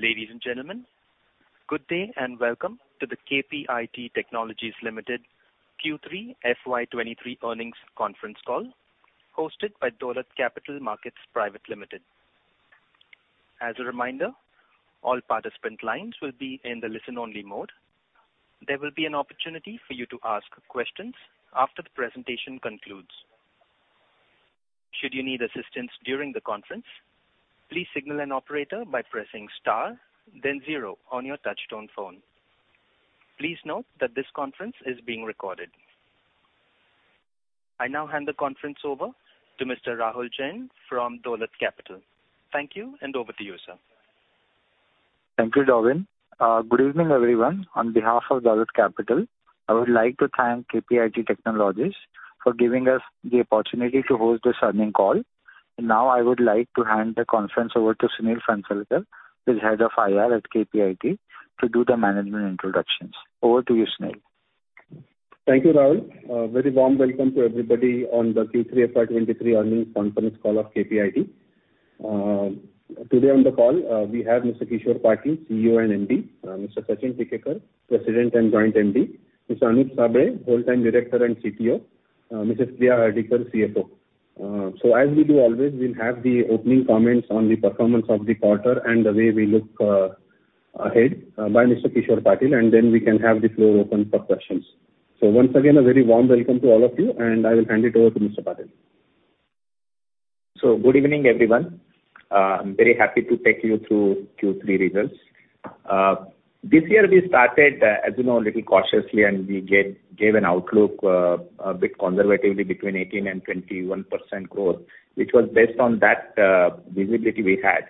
Ladies and gentlemen, good day and welcome to the KPIT Technologies Limited Q3 FY 2023 earnings conference call hosted by Dolat Capital Market Private Limited. As a reminder, all participant lines will be in the listen-only mode. There will be an opportunity for you to ask questions after the presentation concludes. Should you need assistance during the conference, please signal an operator by pressing star then zero on your touchtone phone. Please note that this conference is being recorded. I now hand the conference over to Mr. Rahul Jain from Dolat Capital. Thank you. Over to you, sir. Thank you, Darwin. Good evening, everyone. On behalf of Dolat Capital, I would like to thank KPIT Technologies for giving us the opportunity to host this earning call. Now I would like to hand the conference over to Sunil Phansalkar, who's Head of IR at KPIT, to do the management introductions. Over to you, Sunil. Thank you, Rahul. Very warm welcome to everybody on the Q3 FY 2023 earnings conference call of KPIT. Today on the call, we have Mr. Kishor Patil, CEO and MD, Mr. Sachin Tikekar, President and Joint MD, Mr. Anup Sable, Full-time Director and CTO, Mrs. Priya Hardikar, CFO. As we do always, we'll have the opening comments on the performance of the quarter and the way we look ahead, by Mr. Kishor Patil, and then we can have the floor open for questions. Once again, a very warm welcome to all of you, and I will hand it over to Mr. Patil. Good evening, everyone. I'm very happy to take you through Q3 results. This year we started, as you know, a little cautiously, and we gave an outlook, a bit conservatively between 18% and 21% growth, which was based on that visibility we had.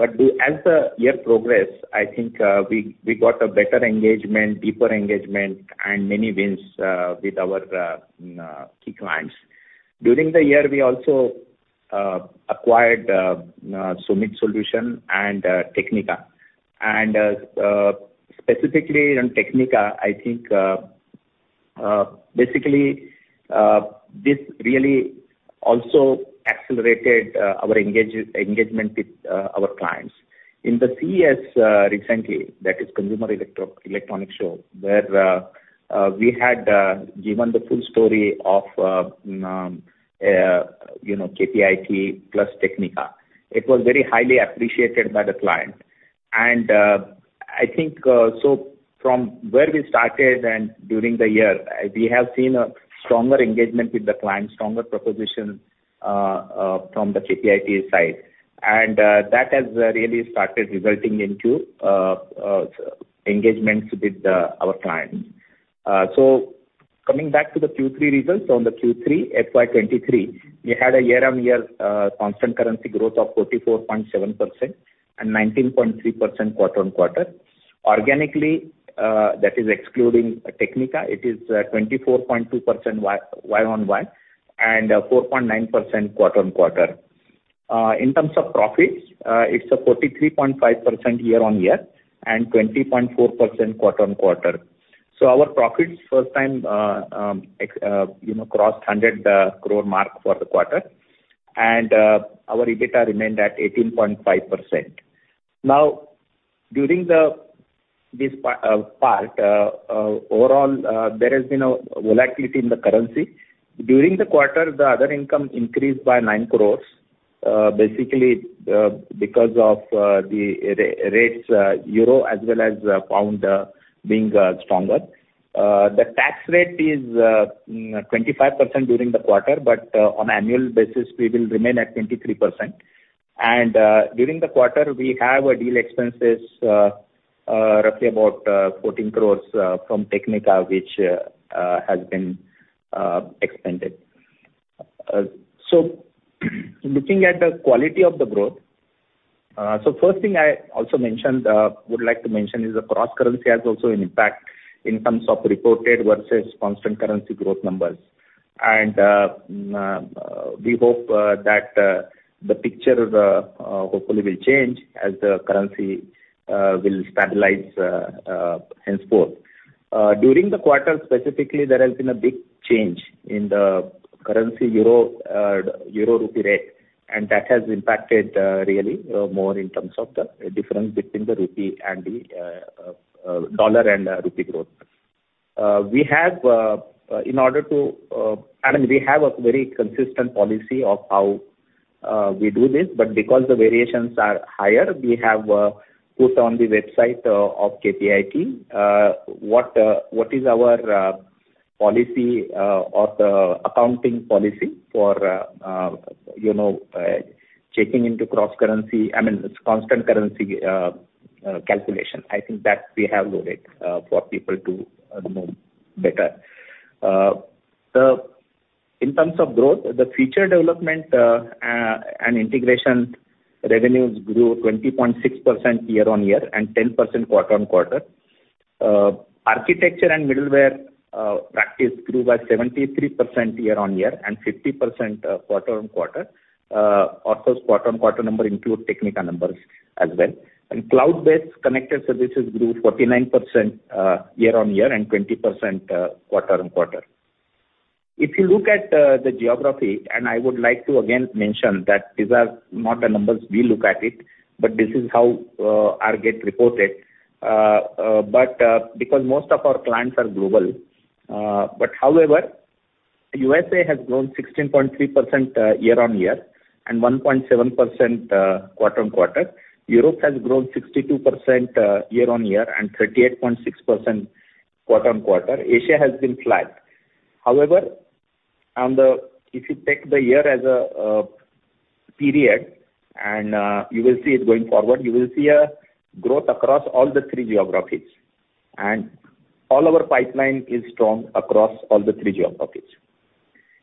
As the year progressed, I think, we got a better engagement, deeper engagement and many wins with our key clients. During the year, we also acquired SOMIT Solutions and Technica. Specifically on Technica, I think, basically, this really also accelerated our engagement with our clients. In the CES, recently, that is Consumer Electronics Show, where we had given the full story of, you know, KPIT plus Technica. It was very highly appreciated by the client. I think from where we started and during the year, we have seen a stronger engagement with the client, stronger proposition from the KPIT side. That has really started resulting into engagements with our clients. Coming back to the Q3 results. On the Q3 FY 2023, we had a year-on-year constant currency growth of 44.7% and 19.3% quarter-on-quarter. Organically, that is excluding Technica Engineering, it is 24.2% year-on-year and 4.9% quarter-on-quarter. In terms of profits, it's a 43.5% year-on-year and 20.4% quarter-on-quarter. Our profits first time, you know, crossed 100 crore mark for the quarter. Our EBITDA remained at 18.5%. During the overall, there has been a volatility in the currency. During the quarter, the other income increased by 9 crores, basically because of the rates EUR as well as GBP being stronger. The tax rate is 25% during the quarter, but on annual basis, we will remain at 23%. During the quarter, we have a deal expenses, roughly about 14 crores from Technica, which has been expended. Looking at the quality of the growth. First thing I also mentioned, would like to mention is the cross currency has also an impact in terms of reported versus constant currency growth numbers. We hope that the picture hopefully will change as the currency will stabilize henceforth. During the quarter, specifically, there has been a big change in the currency euro-rupee rate, and that has impacted really more in terms of the difference between the rupee and the dollar and rupee growth. We have a very consistent policy of how we do this, but because the variations are higher, we have put on the website of KPIT what is our policy or the accounting policy for, you know, checking into cross currency. It's constant currency calculation. I think that we have loaded for people to know better. In terms of growth, the feature development and integration revenues grew 20.6% year-on-year and 10% quarter-on-quarter. Architecture and middleware practice grew by 73% year-on-year and 50% quarter-on-quarter. Of course, quarter-on-quarter number include Technica numbers as well. Cloud-based connected services grew 49% year-on-year and 20% quarter-on-quarter. If you look at the geography, I would like to again mention that these are not the numbers we look at it, but this is how Argate reported. Because most of our clients are global. However, USA has grown 16.3% year-on-year and 1.7% quarter-on-quarter. Europe has grown 62% year-on-year and 38.6% quarter-on-quarter. Asia has been flat. However, on the if you take the year as a period, you will see it going forward, you will see a growth across all the three geographies. All our pipeline is strong across all the three geographies.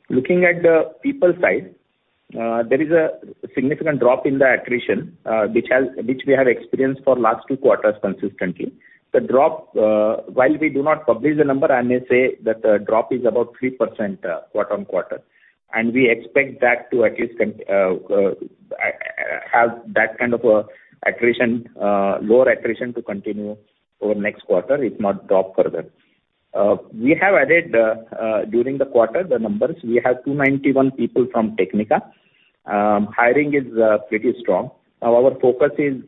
Looking at the people side, there is a significant drop in the accretion, which we have experienced for last two quarters consistently. The drop, while we do not publish the number, I may say that the drop is about 3% quarter-on-quarter. We expect that to at least have that kind of accretion, lower accretion to continue over next quarter, if not drop further. We have added during the quarter, the numbers, we have 291 people from Technica. Hiring is pretty strong. Now our focus is,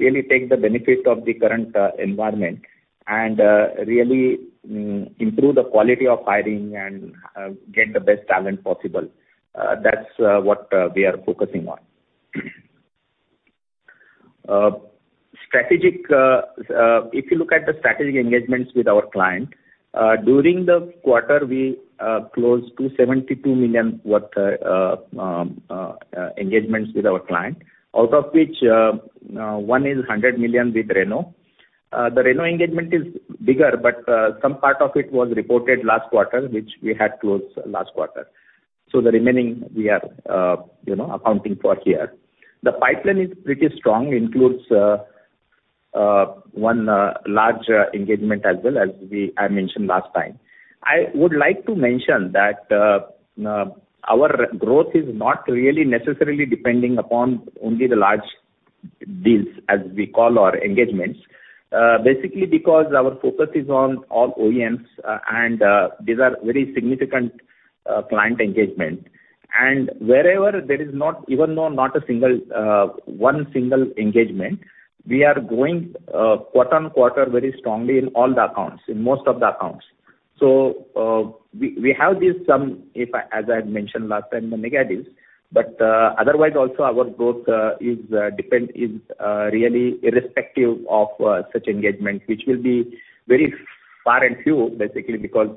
really take the benefit of the current environment and, really, improve the quality of hiring and, get the best talent possible. That's what we are focusing on. Strategic, if you look at the strategic engagements with our client, during the quarter we closed 272 million worth engagements with our client. Out of which, one is 100 million with Renault. The Renault engagement is bigger, but, some part of it was reported last quarter, which we had closed last quarter. The remaining we are, you know, accounting for here. The pipeline is pretty strong, includes one large engagement as well as I mentioned last time. I would like to mention that our growth is not really necessarily depending upon only the large deals as we call our engagements. Basically because our focus is on all OEMs and these are very significant client engagement. Wherever there is not, even though not a single one single engagement, we are growing quarter on quarter very strongly in all the accounts, in most of the accounts. We have this some, if I as I mentioned last time, the mega deals. Otherwise also our growth is really irrespective of such engagement, which will be very far and few basically because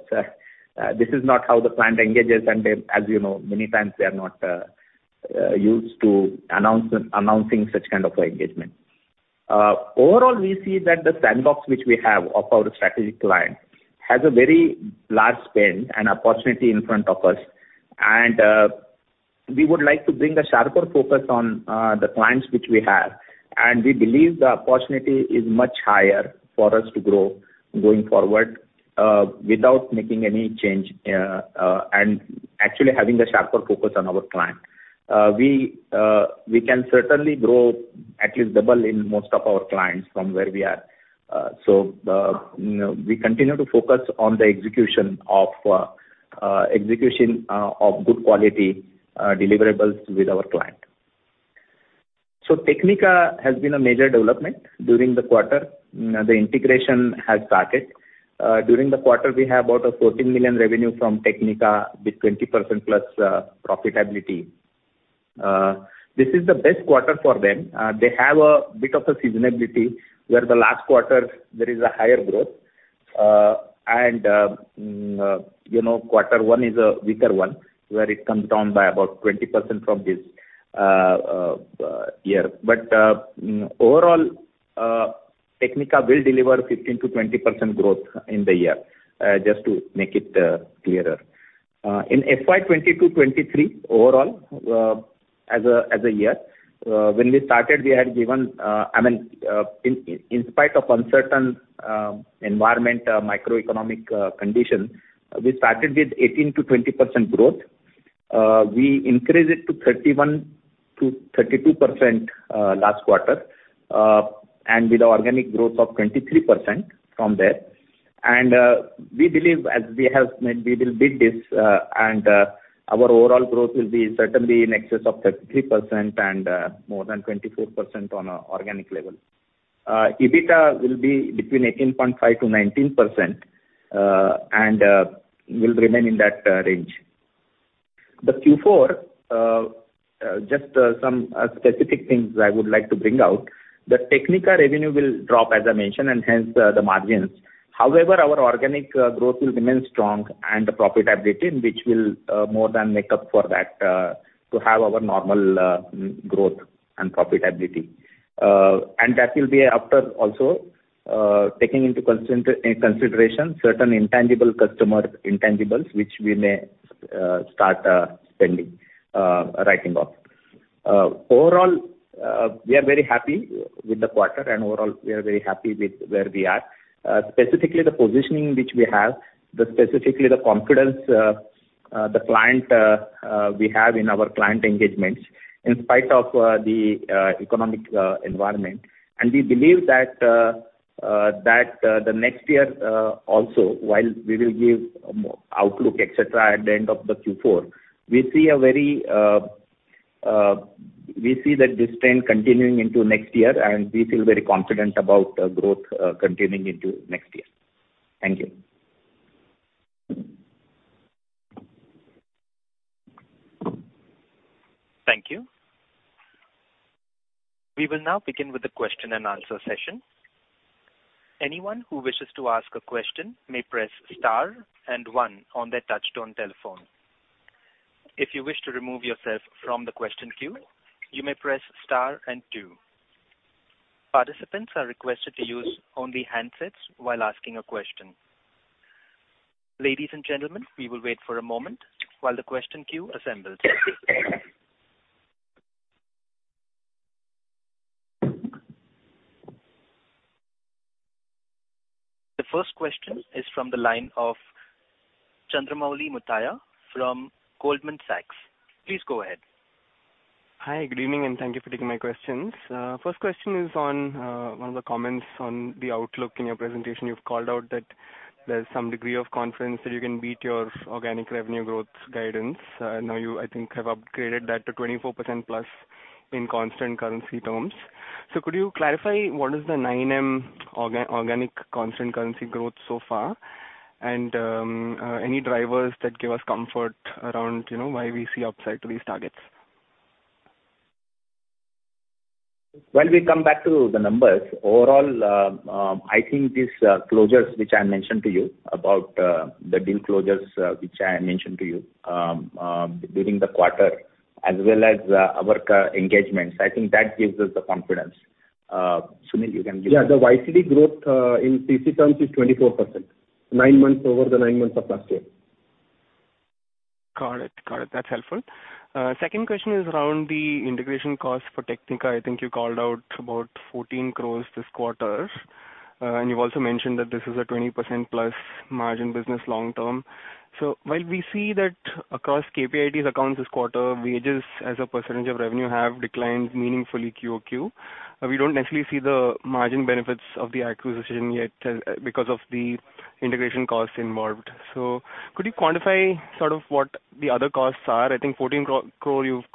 this is not how the client engages. As you know, many times they are not used to announcing such kind of engagement. at the sandbox which we have of our strategic client has a very large spend and opportunity in front of us. And we would like to bring a sharper focus on the clients which we have. And we believe the opportunity is much higher for us to grow going forward, without making any change, and actually having a sharper focus on our client. We can certainly grow at least double in most of our clients from where we are. So, you know, we continue to focus on the execution of execution of good quality deliverables with our client. So Technica has been a major development during the quarter. The integration has started. During the quarter, we have about a $14 million revenue from Technica with 20% plus profitability This is the best quarter for them. They have a bit of a seasonality, where the last quarter there is a higher growth. You know, quarter one is a weaker one, where it comes down by about 20% from this year. Overall, Technica will deliver 15%-20% growth in the year, just to make it clearer. In FY 2022-2023 overall, as a year, when we started, we had given, I mean, in spite of uncertain environment, microeconomic conditions, we started with 18%-20% growth. We increased it to 31%-32%, last quarter, with organic growth of 23% from there. We believe as we have made, we will beat this, and our overall growth will be certainly in excess of 33% and more than 24% on a organic level. EBITDA will be between 18.5%-19% and will remain in that range. The Q4, just some specific things I would like to bring out. The Technica revenue will drop, as I mentioned, and hence the margins. However, our organic growth will remain strong and the profitability, which will more than make up for that to have our normal growth and profitability. That will be after also taking into consideration certain intangible customer intangibles, which we may start spending writing off. Overall, we are very happy with the quarter, and overall, we are very happy with where we are. Specifically the positioning which we have, the specifically the confidence, the client, we have in our client engagements, in spite of the economic environment. We believe that the next year, also, while we will give more outlook, et cetera, at the end of the Q4, we see that this trend continuing into next year, and we feel very confident about growth continuing into next year. Thank you. Thank you. We will now begin with the question-and-answer session. Anyone who wishes to ask a question may press star and one on their touch-tone telephone. If you wish to remove yourself from the question queue, you may press star and two. Participants are requested to use only handsets while asking a question. Ladies and gentlemen, we will wait for a moment while the question queue assembles. The first question is from the line of Chandramouli Muthiah from Goldman Sachs. Please go ahead. Hi. Good evening. Thank you for taking my questions. First question is on one of the comments on the outlook. In your presentation, you've called out that there's some degree of confidence that you can beat your organic revenue growth guidance. Now you, I think, have upgraded that to 24%+ in constant currency terms. Could you clarify what is the 9M organic constant currency growth so far, and any drivers that give us comfort around, you know, why we see upside to these targets? We come back to the numbers. Overall, I think these closures which I mentioned to you about the deal closures, which I mentioned to you during the quarter as well as our engagements. I think that gives us the confidence. Sachin. Yeah, the YTD growth, in CC terms is 24%, nine months over the nine months of last year. Got it. Got it. That's helpful. Second question is around the integration cost for Technica. I think you called out about 14 crore this quarter, and you also mentioned that this is a 20% plus margin business long term. While we see that across KPIT's accounts this quarter, wages as a percentage of revenue have declined meaningfully QOQ, we don't necessarily see the margin benefits of the acquisition yet because of the integration costs involved. Could you quantify sort of what the other costs are? I think 14 crore you've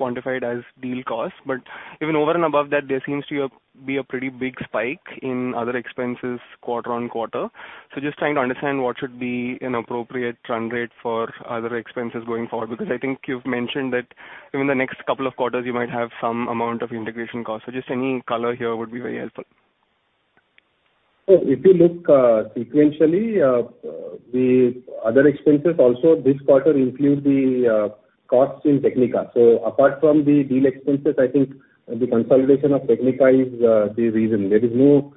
quantified as deal costs, but even over and above that, there seems to be a pretty big spike in other expenses quarter-on-quarter. Just trying to understand what should be an appropriate run rate for other expenses going forward. I think you've mentioned that even the next couple of quarters you might have some amount of integration costs. Just any color here would be very helpful. If you look, sequentially, the other expenses also this quarter include the costs in Technica. Apart from the deal expenses, I think the consolidation of Technica is the reason. There is no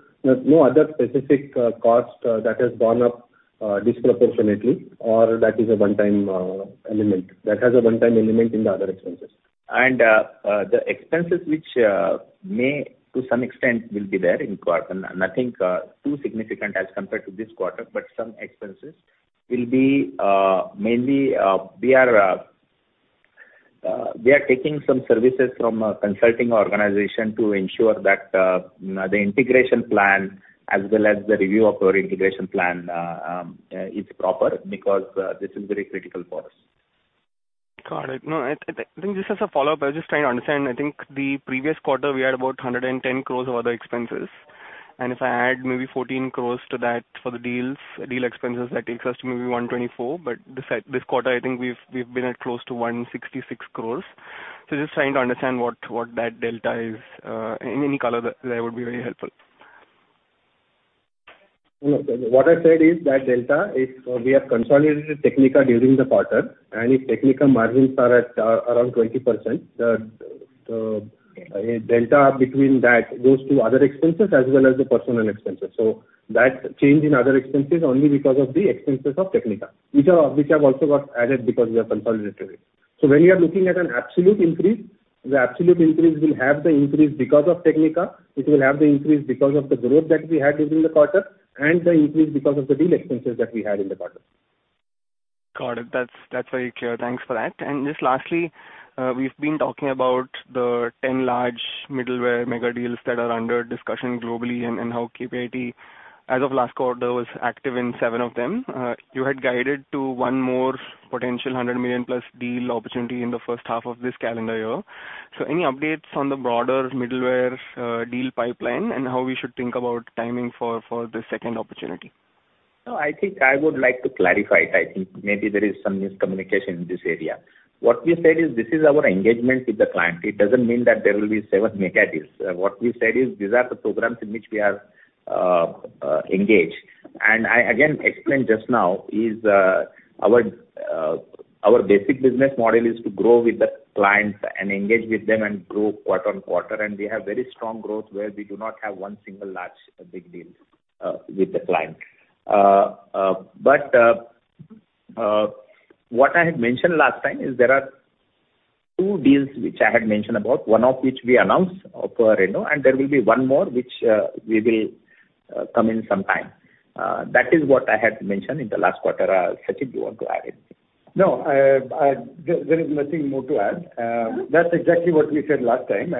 other specific cost that has gone up disproportionately or that is a one-time element. That has a one-time element in the other expenses. The expenses which may to some extent will be there in quarter. Nothing too significant as compared to this quarter, but some expenses will be mainly, we are taking some services from a consulting organization to ensure that the integration plan as well as the review of our integration plan is proper because this is very critical for us. Got it. I think just as a follow-up, I was just trying to understand. I think the previous quarter we had about 110 crores of other expenses, and if I add maybe 14 crores to that for the deals, deal expenses, that takes us to maybe 124. This quarter, I think we've been at close to 166 crores. Just trying to understand what that delta is. Any color there would be very helpful. What I said is that delta is we have consolidated Technica during the quarter, and if Technica margins are at around 20%, the delta between that goes to other expenses as well as the personal expenses. That change in other expenses only because of the expenses of Technica, which have also got added because we have consolidated it. When we are looking at an absolute increase, the absolute increase will have the increase because of Technica. It will have the increase because of the growth that we had during the quarter and the increase because of the deal expenses that we had in the quarter. Got it. That's very clear. Thanks for that. Just lastly, we've been talking about the 10 large middleware mega deals that are under discussion globally and how KPIT, as of last quarter, was active in seven of them. You had guided to one more potential $100 million-plus deal opportunity in the first half of this calendar year. Any updates on the broader middleware deal pipeline and how we should think about timing for the second opportunity? No, I think I would like to clarify it. I think maybe there is some miscommunication in this area. What we said is this is our engagement with the client. It doesn't mean that there will be seven mega deals. What we said is these are the programs in which we are engaged. I again explained just now is our basic business model is to grow with the clients and engage with them and grow quarter on quarter. We have very strong growth where we do not have one single large, big deal with the client. What I had mentioned last time is there are two deals which I had mentioned about, one of which we announced, Renault Group, and there will be one more which we will come in some time. That is what I had mentioned in the last quarter. Sachin, you want to add anything? No, there is nothing more to add. That's exactly what we said last time.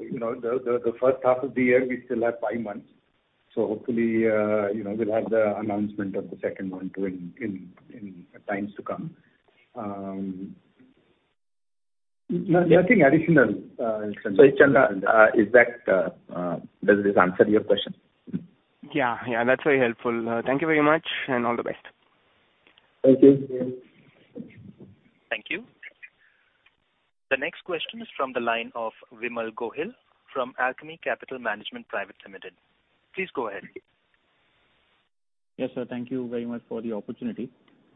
You know, the first half of the year, we still have five months. Hopefully, you know, we'll have the announcement of the second one, too, in times to come. Nothing additional, Chanda, is that, does this answer your question? Yeah, that's very helpful. Thank you very much, and all the best. Thank you. Thank you. The next question is from the line of Vimal Gohil from Alchemy Capital Management Private Limited. Please go ahead. Yes, sir. Thank you very much for the opportunity.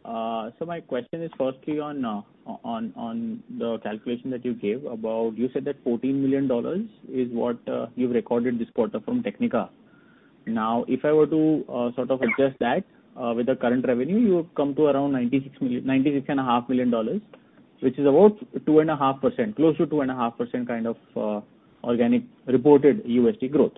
My question is firstly on the calculation that you gave about. You said that $14 million is what you've recorded this quarter from Technica. If I were to sort of adjust that with the current revenue, you come to around $96 million, $96.5 million, which is about 2.5%, close to 2.5% kind of organic reported USD growth.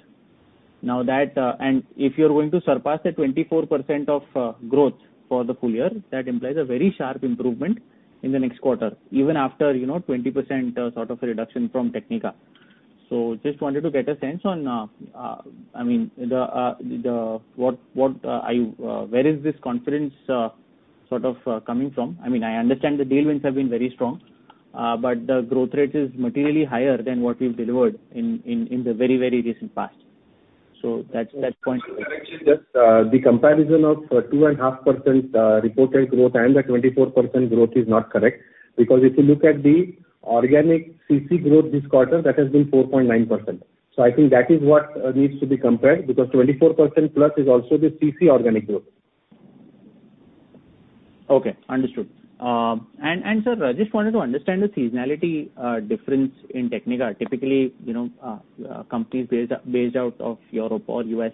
That, and if you're going to surpass the 24% of growth for the full year, that implies a very sharp improvement in the next quarter, even after, you know, 20% sort of reduction from Technica. Just wanted to get a sense on, I mean, where is this confidence sort of coming from? I mean, I understand the deal wins have been very strong, but the growth rate is materially higher than what we've delivered in the very recent past. One correction, just, the comparison of, 2.5%, reported growth and the 24% growth is not correct. If you look at the organic CC growth this quarter, that has been 4.9%. I think that is what, needs to be compared, because 24%+ is also the CC organic growth. Okay, understood. And sir, I just wanted to understand the seasonality, difference in Technica. Typically, you know, companies based out of Europe or U.S.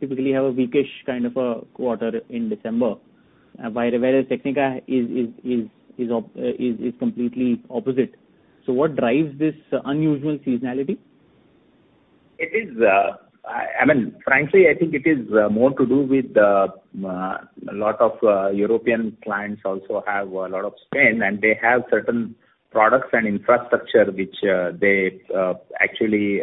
typically have a weakish kind of a quarter in December, whereas Technica is completely opposite. What drives this unusual seasonality? It is, I mean, frankly, I think it is more to do with a lot of European clients also have a lot of spend, and they have certain products and infrastructure which they actually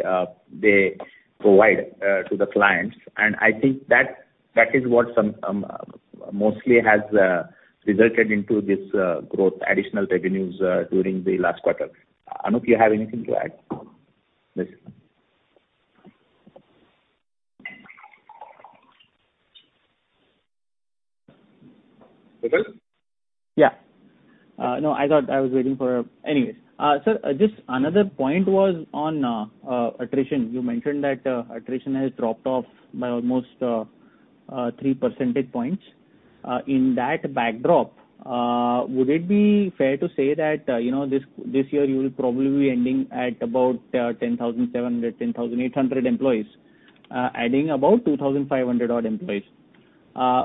they provide to the clients. I think that is what some mostly has resulted into this growth, additional revenues, during the last quarter. Anup, you have anything to add? Yes. Vimal? No, I thought I was waiting for. Sir, just another point was on attrition. You mentioned that attrition has dropped off by almost 3 percentage points. In that backdrop, would it be fair to say that, you know, this year you will probably be ending at about 10,700, 10,800 employees, adding about 2,500 odd employees.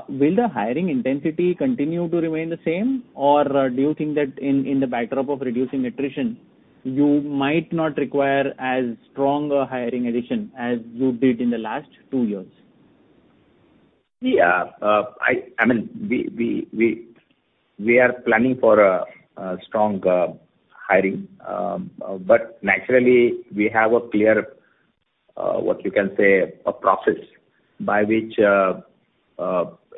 Will the hiring intensity continue to remain the same? Or do you think that in the backdrop of reducing attrition, you might not require as strong a hiring addition as you did in the last two years? Yeah. I mean, we are planning for a strong hiring. Naturally we have a clear, what you can say, a process by which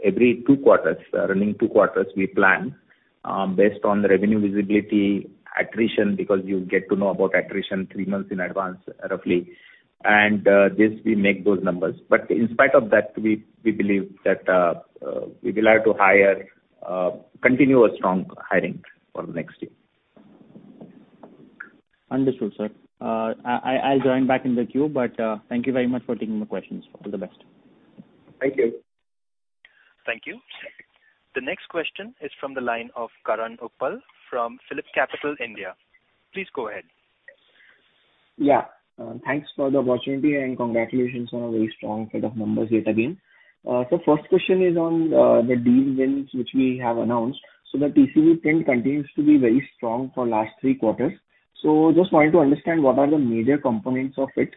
every two quarters, running two quarters, we plan, based on the revenue visibility, attrition, because you get to know about attrition three months in advance, roughly. This we make those numbers. In spite of that, we believe that we will have to hire, continue a strong hiring for next year. Understood, sir. I'll join back in the queue, but, thank you very much for taking my questions. All the best. Thank you. Thank you. The next question is from the line of Karan Uppal from PhillipCapital India. Please go ahead. Yeah. Thanks for the opportunity and congratulations on a very strong set of numbers yet again. First question is on, the deal wins which we have announced. The TCV trend continues to be very strong for last three quarters. Just wanted to understand what are the major components of it,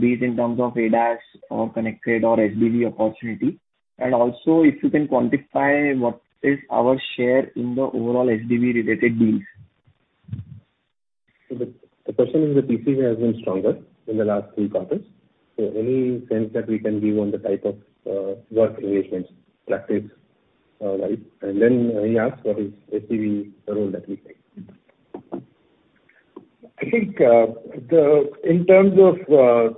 be it in terms of ADAS or connected or SDV opportunity. Also if you can quantify what is our share in the overall SDV related deals. The question is the TCV has been stronger in the last three quarters. Any sense that we can give on the type of work engagements, practice, right? Then he asked what is SDV role that we play. I think, the, in terms of, the,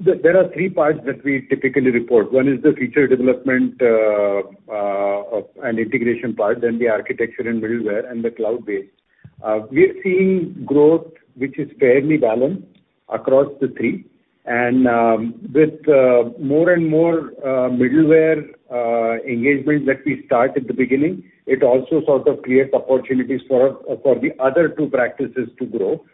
there are three parts that we typically report. One is the feature development, of, and integration part, then the architecture and middleware and the cloud-based. We're seeing growth which is fairly balanced across the three. With more and more middleware engagement that we start at the beginning, it also sort of creates opportunities for the other two practices to grow.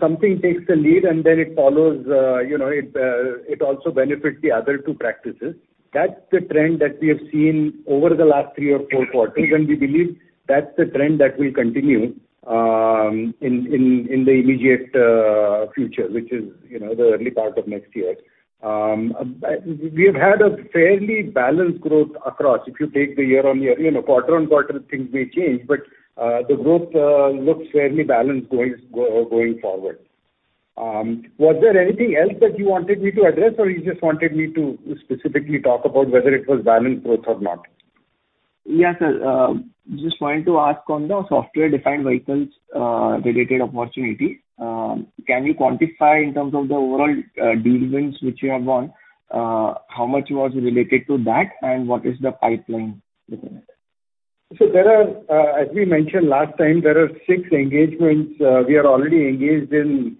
Something takes the lead and then it follows, you know, it also benefit the other two practices. That's the trend that we have seen over the last three or four quarters, and we believe that's the trend that will continue in the immediate future, which is, you know, the early part of next year. We've had a fairly balanced growth across. If you take the year-over-year, you know, quarter-over-quarter things may change, but the growth looks fairly balanced going forward. Was there anything else that you wanted me to address, or you just wanted me to specifically talk about whether it was balanced growth or not? Yeah, sir. just wanted to ask on the software-defined vehicles, related opportunity. can you quantify in terms of the overall, deal wins which you have won, how much was related to that, and what is the pipeline looking like? There are, as we mentioned last time, there are six engagements. We are already engaged in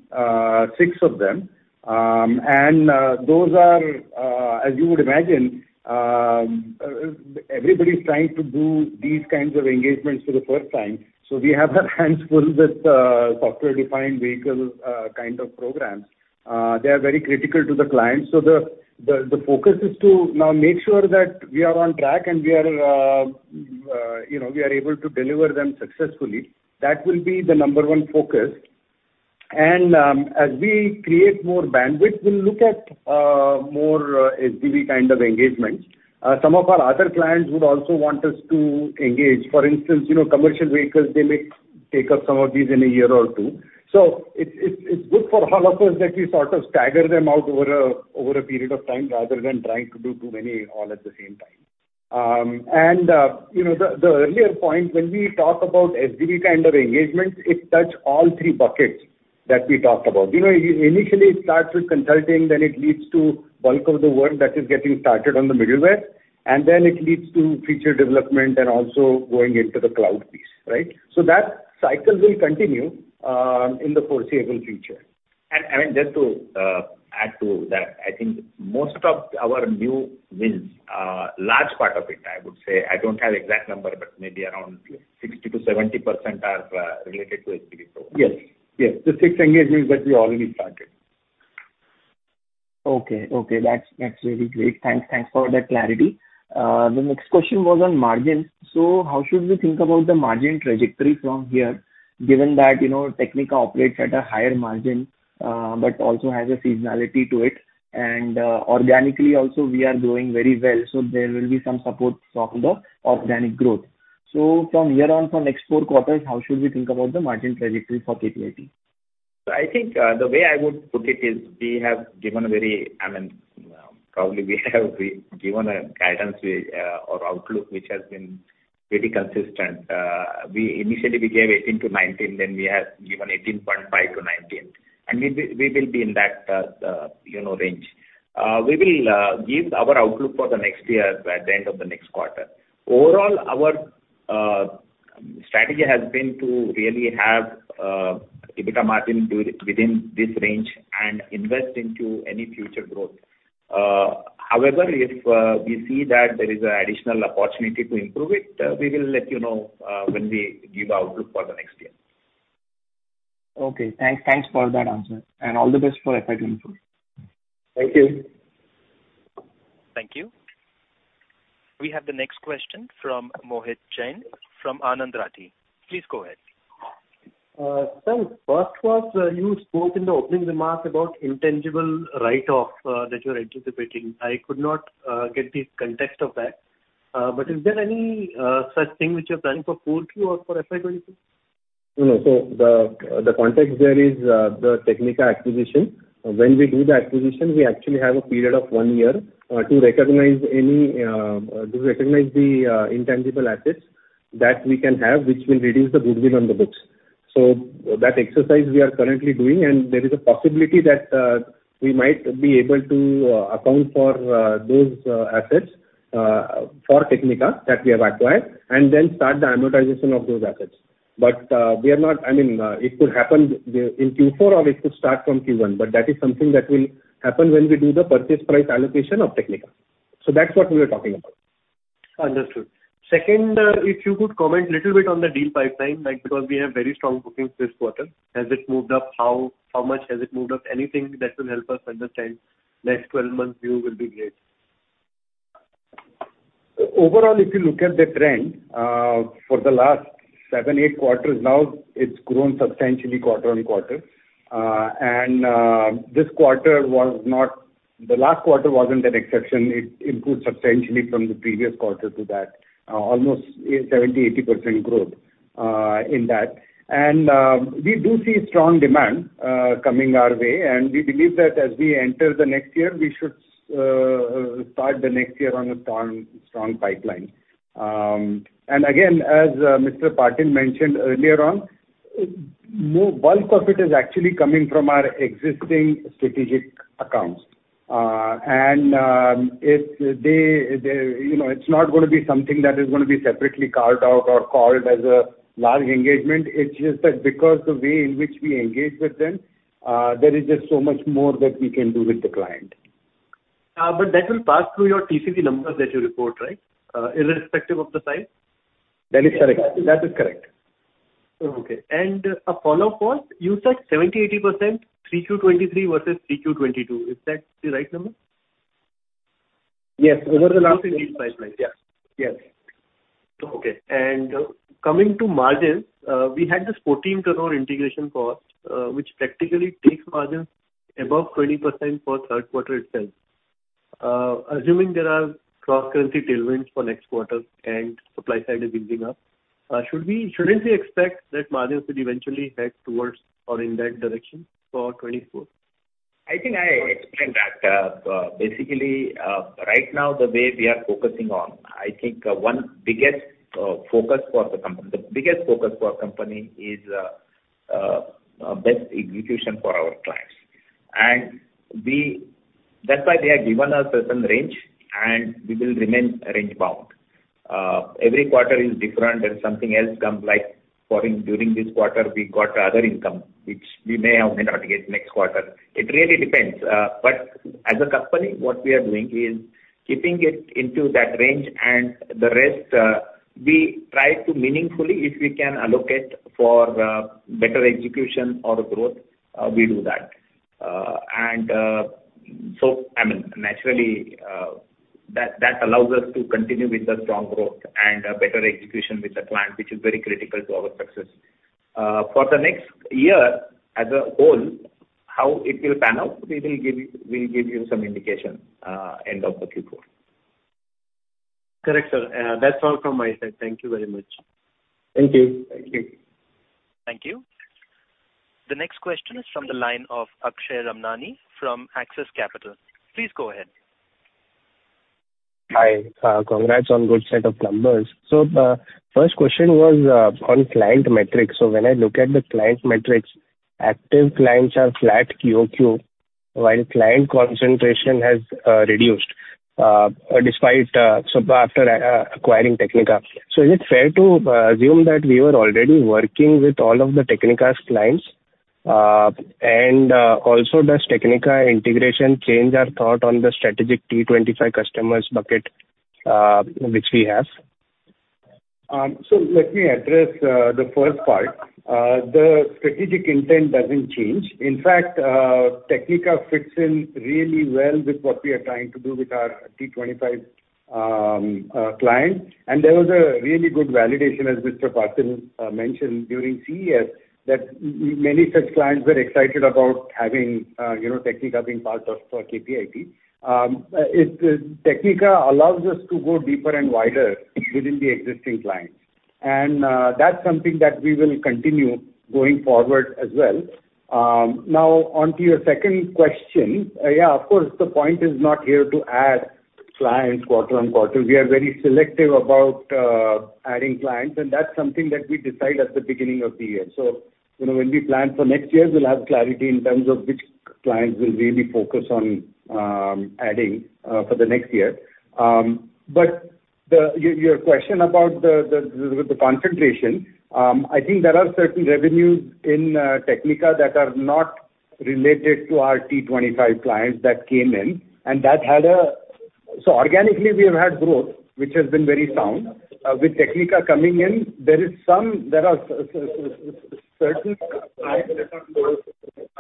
six of them. Those are, as you would imagine, everybody's trying to do these kinds of engagements for the first time. We have our hands full with software-defined vehicle kind of programs. They are very critical to the clients. The, the focus is to now make sure that we are on track and we are, you know, we are able to deliver them successfully. That will be the number one focus. As we create more bandwidth, we'll look at more SDV kind of engagements. Some of our other clients would also want us to engage. For instance, you know, commercial vehicles, they may take up some of these in a year or two. It's good for all of us that we sort of stagger them out over a period of time rather than trying to do too many all at the same time. You know, the earlier point, when we talk about SDV kind of engagements, it touch all three buckets that we talked about. You know, initially it starts with consulting, then it leads to bulk of the work that is getting started on the middleware, and then it leads to feature development and also going into the cloud piece, right. That cycle will continue in the foreseeable future. I mean, just to add to that, I think most of our new wins, a large part of it, I would say, I don't have exact number, but maybe around 60%-70% are related to SDV programs. Yes. Yes. The six engagements that we already started. Okay. Okay. That's really great. Thanks. Thanks for that clarity. The next question was on margins. How should we think about the margin trajectory from here, given that, you know, Technica operates at a higher margin, but also has a seasonality to it, and organically also we are growing very well, so there will be some support from the organic growth. From here on, from next four quarters, how should we think about the margin trajectory for KPIT? I think, the way I would put it is we have given a very, I mean, probably we have given a guidance or outlook which has been pretty consistent. We initially we gave 18 to 19, then we have given 18.5-19. We, we will be in that, you know, range. We will give our outlook for the next year at the end of the next quarter. Overall, our strategy has been to really have EBITDA margin within this range and invest into any future growth. However, if we see that there is additional opportunity to improve it, we will let you know when we give outlook for the next year. Okay. Thanks for that answer. All the best for FY 2024. Thank you. Thank you. We have the next question from Mohit Jain from Anand Rathi. Please go ahead. Sir, first was, you spoke in the opening remarks about intangible write-off, that you're anticipating. I could not get the context of that. Is there any such thing which you're planning for full Q or for FY 2022? No. The context there is the Technica acquisition. When we do the acquisition, we actually have a period of one year to recognize any to recognize the intangible assets that we can have, which will reduce the goodwill on the books. That exercise we are currently doing, and there is a possibility that we might be able to account for those assets for Technica that we have acquired, and then start the amortization of those assets. We are not. I mean, it could happen in Q4 or it could start from Q1, but that is something that will happen when we do the purchase price allocation of Technica. That's what we were talking about. Understood. Second, if you could comment a little bit on the deal pipeline, like, because we have very strong bookings this quarter. Has it moved up? How, how much has it moved up? Anything that will help us understand next 12 months view will be great. Overall, if you look at the trend, for the last seven, eight quarters now, it's grown substantially quarter-on-quarter. The last quarter wasn't an exception. It improved substantially from the previous quarter to that, almost a 70%-80% growth in that. We do see strong demand coming our way, and we believe that as we enter the next year, we should start the next year on a strong pipeline. Again, as Mr. Patil mentioned earlier on, bulk of it is actually coming from our existing strategic accounts. If they, you know, it's not gonna be something that is gonna be separately carved out or called as a large engagement. It's just that because the way in which we engage with them, there is just so much more that we can do with the client. That will pass through your TCV numbers that you report, right? Irrespective of the size. That is correct. That is correct. Okay. A follow-up was, you said 70%, 80%, 3Q 2023 versus 3Q 2022. Is that the right number? Yes. Over the last three. Okay. coming to margins, we had this 14 crore integration cost, which practically takes margins above 20% for third quarter itself. Assuming there are cross-currency tailwinds for next quarter and supply side is easing up, should we, shouldn't we expect that margins would eventually head towards or in that direction for 2024? I think I explained that. Basically, right now the way we are focusing on, I think one biggest focus for the company, the biggest focus for our company is best execution for our clients. That's why we have given a certain range, and we will remain range bound. Every quarter is different and something else comes like foreign during this quarter we got other income which we may or may not get next quarter. It really depends. As a company, what we are doing is keeping it into that range and the rest, we try to meaningfully, if we can allocate for better execution or growth, we do that. I mean, naturally, that allows us to continue with the strong growth and better execution with the client, which is very critical to our success. For the next year as a whole, how it will pan out, we'll give you some indication end of the Q4. Correct, sir. That's all from my side. Thank you very much. Thank you. Thank you. Thank you. The next question is from the line of Akshay Ramnani from Axis Capital. Please go ahead. Hi. Congrats on good set of numbers. First question was on client metrics. When I look at the client metrics, active clients are flat QOQ, while client concentration has reduced despite acquiring Technica. Is it fair to assume that we were already working with all of the Technica's clients? Does Technica integration change our thought on the strategic T25 customers bucket, which we have? Let me address the first part. The strategic intent doesn't change. In fact, Technica fits in really well with what we are trying to do with our T25 clients. There was a really good validation, as Mr. Patil mentioned during CES, that many such clients were excited about having, you know, Technica being part of KPIT. Technica allows us to go deeper and wider within the existing clients. That's something that we will continue going forward as well. Now on to your second question. Of course, the point is not here to add clients quarter on quarter. We are very selective about adding clients, and that's something that we decide at the beginning of the year. You know, when we plan for next year, we'll have clarity in terms of which clients we'll really focus on, adding for the next year. The question about the concentration, I think there are certain revenues in Technica that are not related to our T25 clients that came in. Organically, we have had growth, which has been very sound. With Technica coming in, there is some, there are certain clients that are both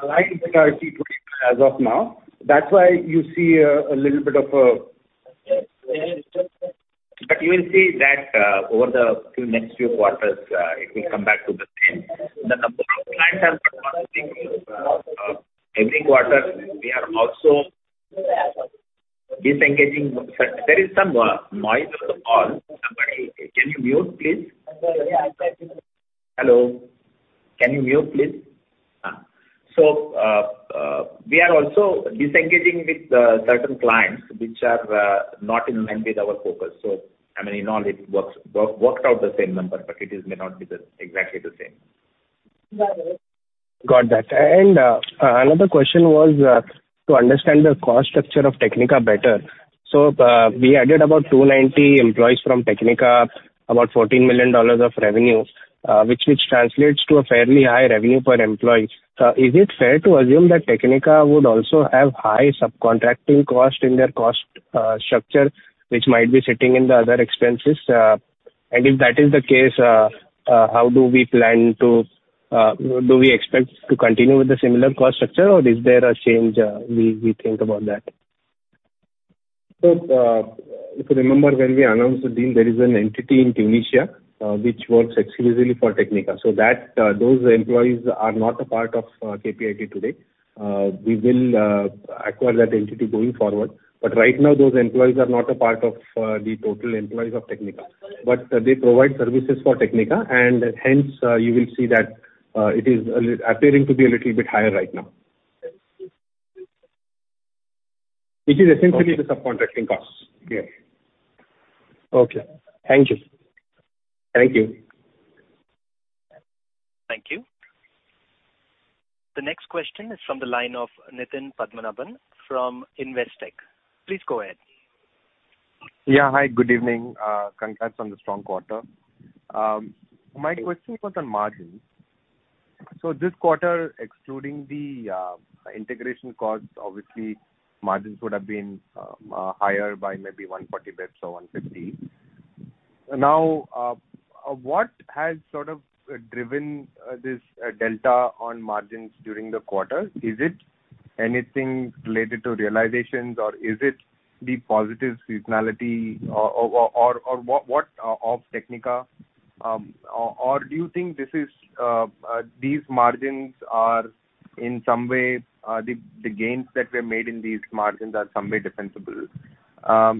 aligned with our T25 as of now. That's why you see a little bit of. You will see that, over the few, next few quarters, it will come back to the same. The number of clients are every quarter. We are also disengaging... There is some noise on the call. Somebody, can you mute, please? Hello. Can you mute, please? We are also disengaging with certain clients which are not in line with our focus. I mean, in all it works, worked out the same number, but it is may not be the exactly the same. Got that. Another question was to understand the cost structure of Technica better. We added about 290 employees from Technica, about $14 million of revenue, which translates to a fairly high revenue per employee. Is it fair to assume that Technica would also have high subcontracting cost in their cost structure, which might be sitting in the other expenses? If that is the case, how do we plan to, do we expect to continue with the similar cost structure, or is there a change we think about that? If you remember when we announced the deal, there is an entity in Tunisia which works exclusively for Technica. Those employees are not a part of KPIT today. We will acquire that entity going forward. Right now those employees are not a part of the total employees of Technica. They provide services for Technica, and hence, you will see that it is appearing to be a little bit higher right now. Which is essentially the subcontracting costs. Okay. Thank you. Thank you. Thank you. The next question is from the line of Nitin Padmanabhan from Investec. Please go ahead. Yeah. Hi, good evening. Congrats on the strong quarter. My question was on margins. This quarter, excluding the integration costs, obviously margins would have been higher by maybe 140 basis points or 150. Now, what has sort of driven this delta on margins during the quarter? Is it anything related to realizations, or is it the positive seasonality or what of Technica? Or, or do you think this is these margins are in some way the gains that were made in these margins are some way defensible? I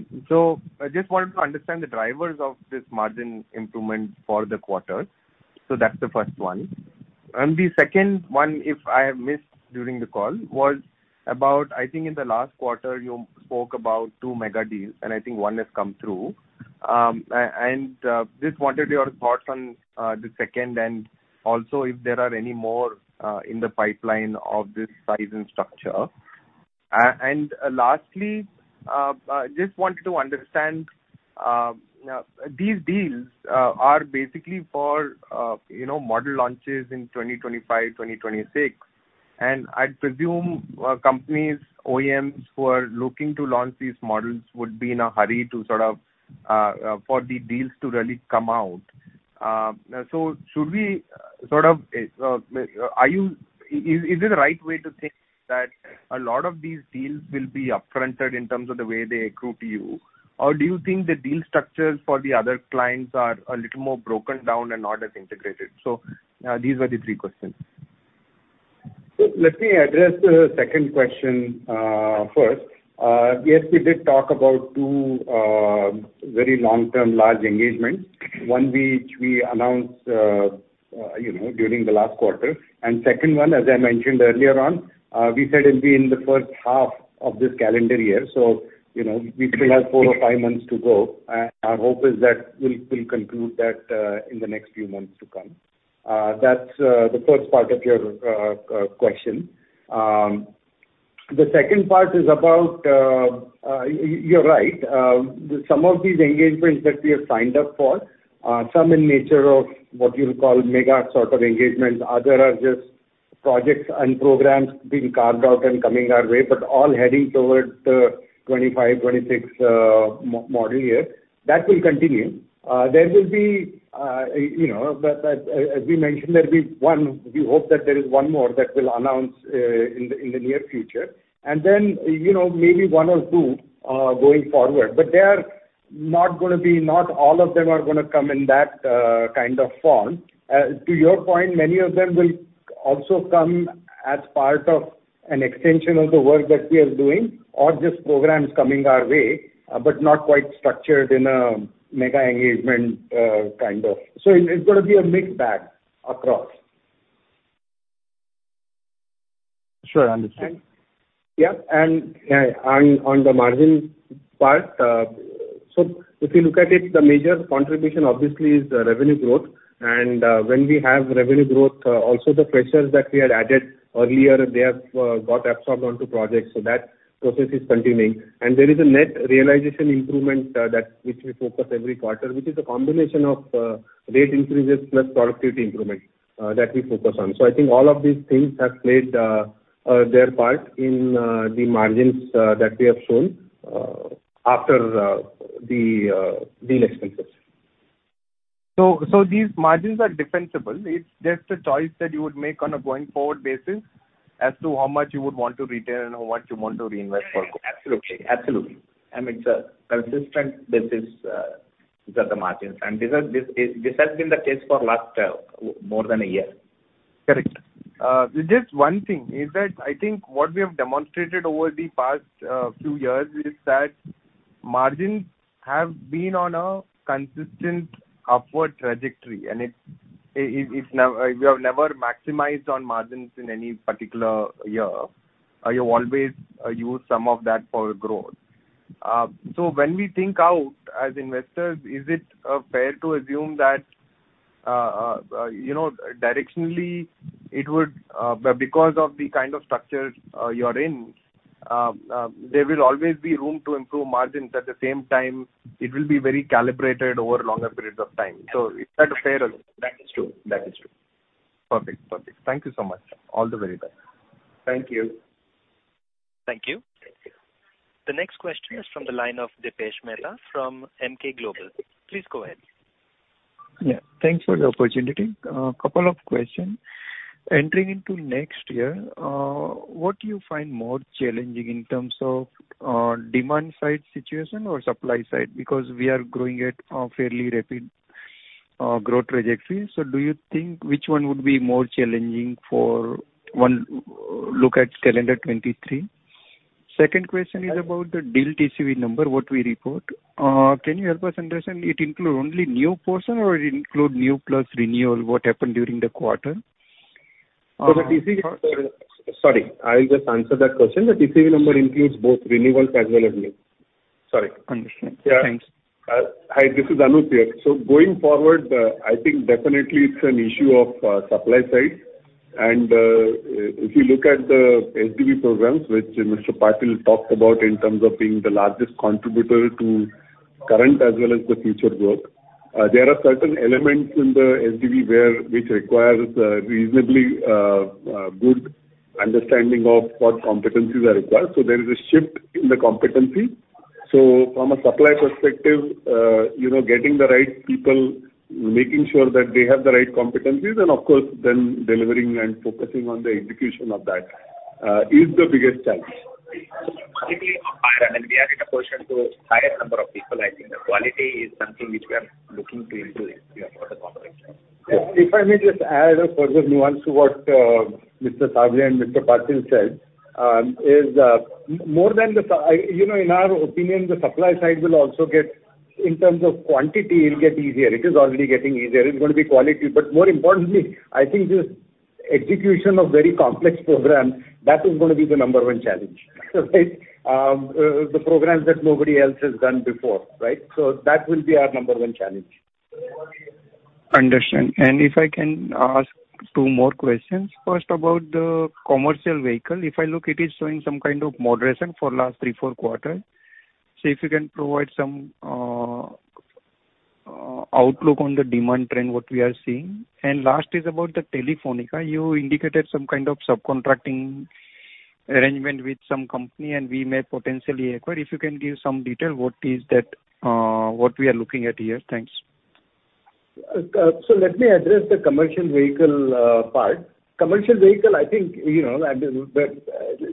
just wanted to understand the drivers of this margin improvement for the quarter. That's the first one. The second one, if I missed during the call, was about, I think in the last quarter you spoke about two mega deals, and I think one has come through. I just wanted your thoughts on the second, and also if there are any more in the pipeline of this size and structure. Lastly, I just wanted to understand, these deals are basically for, you know, model launches in 2025, 2026. I'd presume companies, OEMs who are looking to launch these models would be in a hurry to sort of for the deals to really come out. So should we sort of, is it the right way to think that a lot of these deals will be up-fronted in terms of the way they accrue to you? Do you think the deal structures for the other clients are a little more broken down and not as integrated? These were the three questions. Let me address the second question, first. Yes, we did talk about two, very long-term large engagements. One which we announced, you know, during the last quarter. Second one, as I mentioned earlier on, we said it'll be in the first half of this calendar year, so you know, we still have four or five months to go, and our hope is that we'll conclude that, in the next few months to come. That's the first part of your question. The second part is about, you're right. Some of these engagements that we have signed up for, some in nature of what you'll call mega sort of engagements. Other are just projects and programs being carved out and coming our way, but all heading towards the 2025, 2026 model year. That will continue. There will be, you know, as, as we mentioned, there'll be one, we hope that there is one more that we'll announce in the near future. You know, maybe one or two going forward. They are not gonna be, not all of them are gonna come in that kind of form. To your point, many of them will also come as part of an extension of the work that we are doing or just programs coming our way, but not quite structured in a mega engagement kind of. It's gonna be a mixed bag across. Sure. Understood. Yeah. On the margin part, so if you look at it, the major contribution obviously is the revenue growth. When we have revenue growth, also the pressures that we had added earlier, they have got absorbed onto projects. That process is continuing. There is a net realization improvement, that which we focus every quarter, which is a combination of rate increases plus productivity improvement, that we focus on. I think all of these things have played their part in the margins, that we have shown, after the deal expenses. These margins are defensible. It's just a choice that you would make on a going forward basis as to how much you would want to retain and what you want to reinvest for growth. Absolutely. Absolutely. I mean, it's a consistent basis, these are the margins. This has been the case for last, more than a year. Correct. Just one thing is that I think what we have demonstrated over the past few years is that margins have been on a consistent upward trajectory. It's never maximized on margins in any particular year. You always use some of that for growth. When we think out as investors, is it fair to assume that, you know, directionally it would because of the kind of structures you're in, there will always be room to improve margins. At the same time, it will be very calibrated over longer periods of time. Is that a fair- That is true. That is true. Perfect. Perfect. Thank you so much. All the very best. Thank you. Thank you. The next question is from the line of Dipesh Mehta from Emkay Global. Please go ahead. Yeah, thanks for the opportunity. A couple of questions. Entering into next year, what do you find more challenging in terms of demand side situation or supply side? Because we are growing at a fairly rapid growth trajectory. Do you think which one would be more challenging for one look at calendar 2023? Second question is about the deal TCV number, what we report. Can you help us understand it include only new portion or it include new plus renewal, what happened during the quarter? Sorry, I'll just answer that question. The TCV number includes both renewals as well as new. Sorry. Understood. Thanks. Yeah. Hi. This is Anup here. Going forward, I think definitely it's an issue of supply side. If you look at the SDV programs which Mr. Patil talked about in terms of being the largest contributor to current as well as the future growth, there are certain elements in the SDV where which requires a reasonably good understanding of what competencies are required. There is a shift in the competency. From a supply perspective, you know, getting the right people, making sure that they have the right competencies and of course then delivering and focusing on the execution of that, is the biggest challenge. Particularly on hire. I mean, we are in a position to hire number of people. I think the quality is something which we are looking to improve here for the corporation. If I may just add a further nuance to what Mr. Sable and Mr. Patil said, you know, in our opinion, the supply side will also get in terms of quantity, it'll get easier. It is already getting easier. It's gonna be quality. More importantly, I think the execution of very complex programs, that is gonna be the number one challenge. The programs that nobody else has done before, right? That will be our number one challenge. Understand. If I can ask two more questions. First, about the commercial vehicle. If I look, it is showing some kind of moderation for last three, four quarter. If you can provide some outlook on the demand trend, what we are seeing. Last is about the Telefonica. You indicated some kind of subcontracting arrangement with some company, and we may potentially acquire. If you can give some detail, what is that, what we are looking at here? Thanks. Let me address the commercial vehicle part. Commercial vehicle, I think, you know,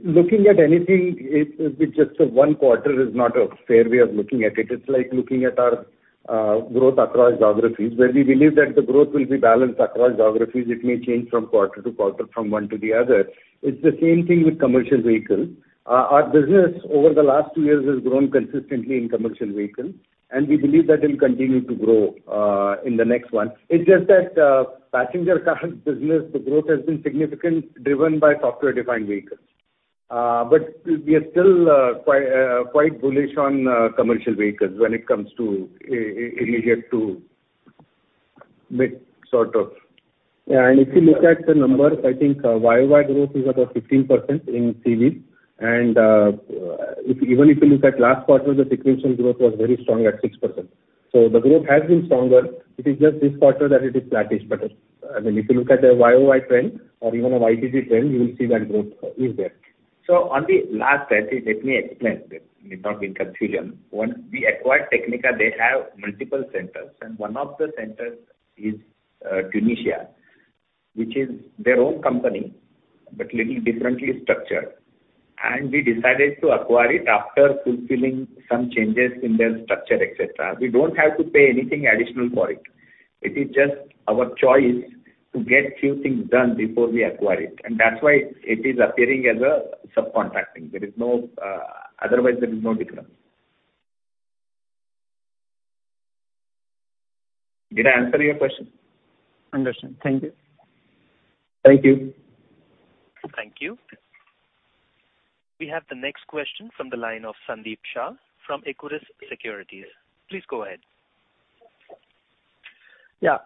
looking at anything with just one quarter is not a fair way of looking at it. It's like looking at our growth across geographies, where we believe that the growth will be balanced across geographies. It may change from quarter to quarter, from one to the other. It's the same thing with commercial vehicles. Our business over the last two years has grown consistently in commercial vehicles, and we believe that it'll continue to grow in the next one. It's just that passenger cars business, the growth has been significant, driven by software-defined vehicles. We are still quite bullish on commercial vehicles when it comes to immediate to mid sort of. If you look at the numbers, I think YOY growth is about 15% in CV. Even if you look at last quarter, the sequential growth was very strong at 6%. The growth has been stronger. It is just this quarter that it is flattish. I mean, if you look at the YOY trend or even a YTD trend, you will see that growth is there. On the last, I think, let me explain this. It may not been clear. When we acquired Technica, they have multiple centers, and one of the centers is Tunisia, which is their own company, but little differently structured. We decided to acquire it after fulfilling some changes in their structure, et cetera. We don't have to pay anything additional for it. It is just our choice to get few things done before we acquire it, and that's why it is appearing as a subcontracting. There is no. Otherwise, there is no difference. Did I answer your question? Understand. Thank you. Thank you. Thank you. We have the next question from the line of Sandeep Shah from ICICI Securities. Please go ahead. Yeah.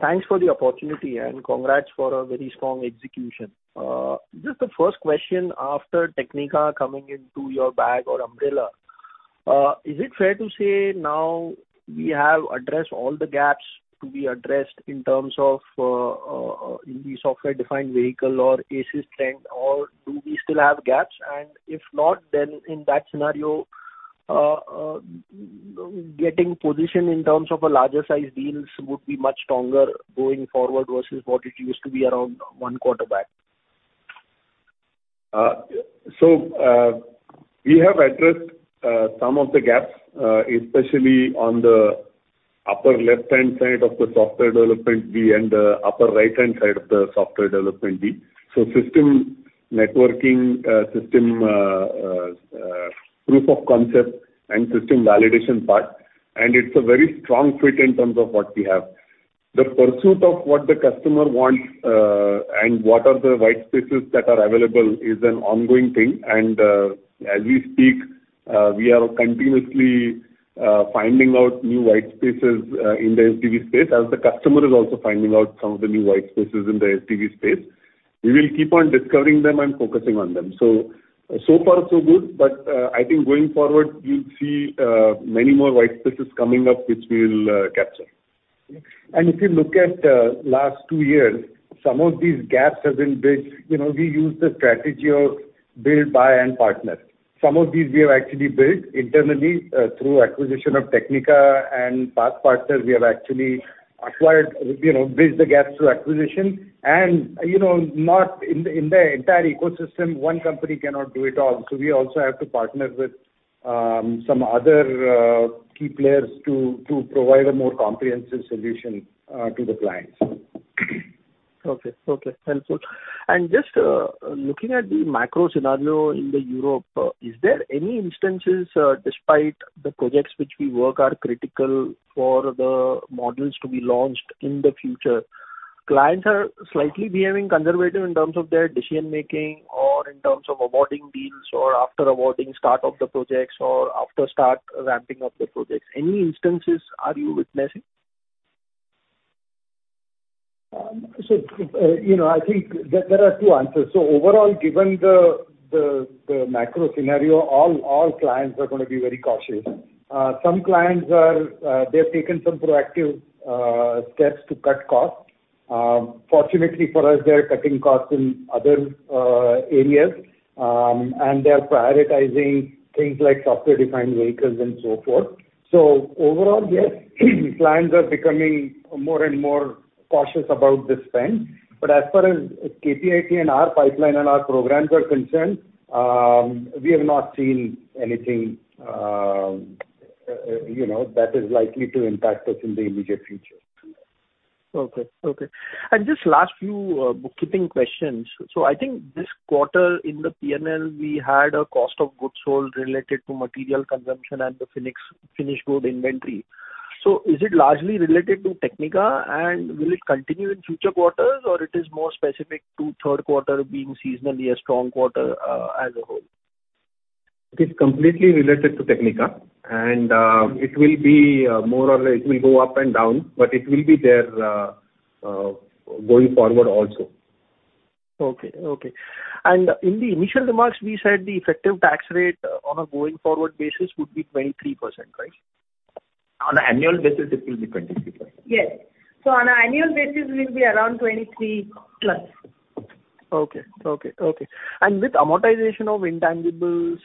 Thanks for the opportunity and congrats for a very strong execution. Just the first question after Technica coming into your bag or umbrella, is it fair to say now we have addressed all the gaps to be addressed in terms of in the software-defined vehicle or ADAS strength, or do we still have gaps? If not, in that scenario, getting position in terms of a larger size deals would be much stronger going forward versus what it used to be around one quarter back. We have addressed some of the gaps, especially on the upper left-hand side of the software development V and the upper right-hand side of the software development V. System networking, system, proof of concept and system validation part, and it's a very strong fit in terms of what we have. The pursuit of what the customer wants, and what are the white spaces that are available is an ongoing thing. As we speak, we are continuously finding out new white spaces in the SDV space as the customer is also finding out some of the new white spaces in the SDV space. We will keep on discovering them and focusing on them. So far so good, but, I think going forward, you'll see many more white spaces coming up, which we'll capture. If you look at the last two years, some of these gaps have been bridged. You know, we use the strategy of build, buy and partner. Some of these we have actually built internally, through acquisition of Technica and past partners. We have actually acquired, you know, bridged the gaps through acquisition. You know, not in the, in the entire ecosystem, one company cannot do it all. We also have to partner with some other key players to provide a more comprehensive solution to the clients. Okay. Okay. Helpful. Just looking at the macro scenario in Europe, is there any instances, despite the projects which we work are critical for the models to be launched in the future, clients are slightly behaving conservative in terms of their decision-making or in terms of awarding deals or after awarding start of the projects or after start ramping up the projects? Any instances are you witnessing? you know, I think there are two answers. Overall, given the macro scenario, all clients are gonna be very cautious. Some clients are, they've taken some proactive steps to cut costs. Fortunately for us, they're cutting costs in other areas, and they're prioritizing things like Software-Defined Vehicles and so forth. Overall, yes, clients are becoming more and more cautious about the spend. As far as KPIT and our pipeline and our programs are concerned, we have not seen anything, you know, that is likely to impact us in the immediate future. Okay. Okay. Just last few, bookkeeping questions. I think this quarter in the PNL, we had a cost of goods sold related to material consumption and the finished good inventory. Is it largely related to Technica, and will it continue in future quarters, or it is more specific to third quarter being seasonally a strong quarter, as a whole? It is completely related to Technica. It will go up and down. It will be there going forward also. Okay. Okay. In the initial remarks, we said the effective tax rate on a going forward basis would be 23%, right? On an annual basis, it will be 23%. Yes. On an annual basis, it will be around 23+. Okay. Okay. Okay. With amortization of intangibles,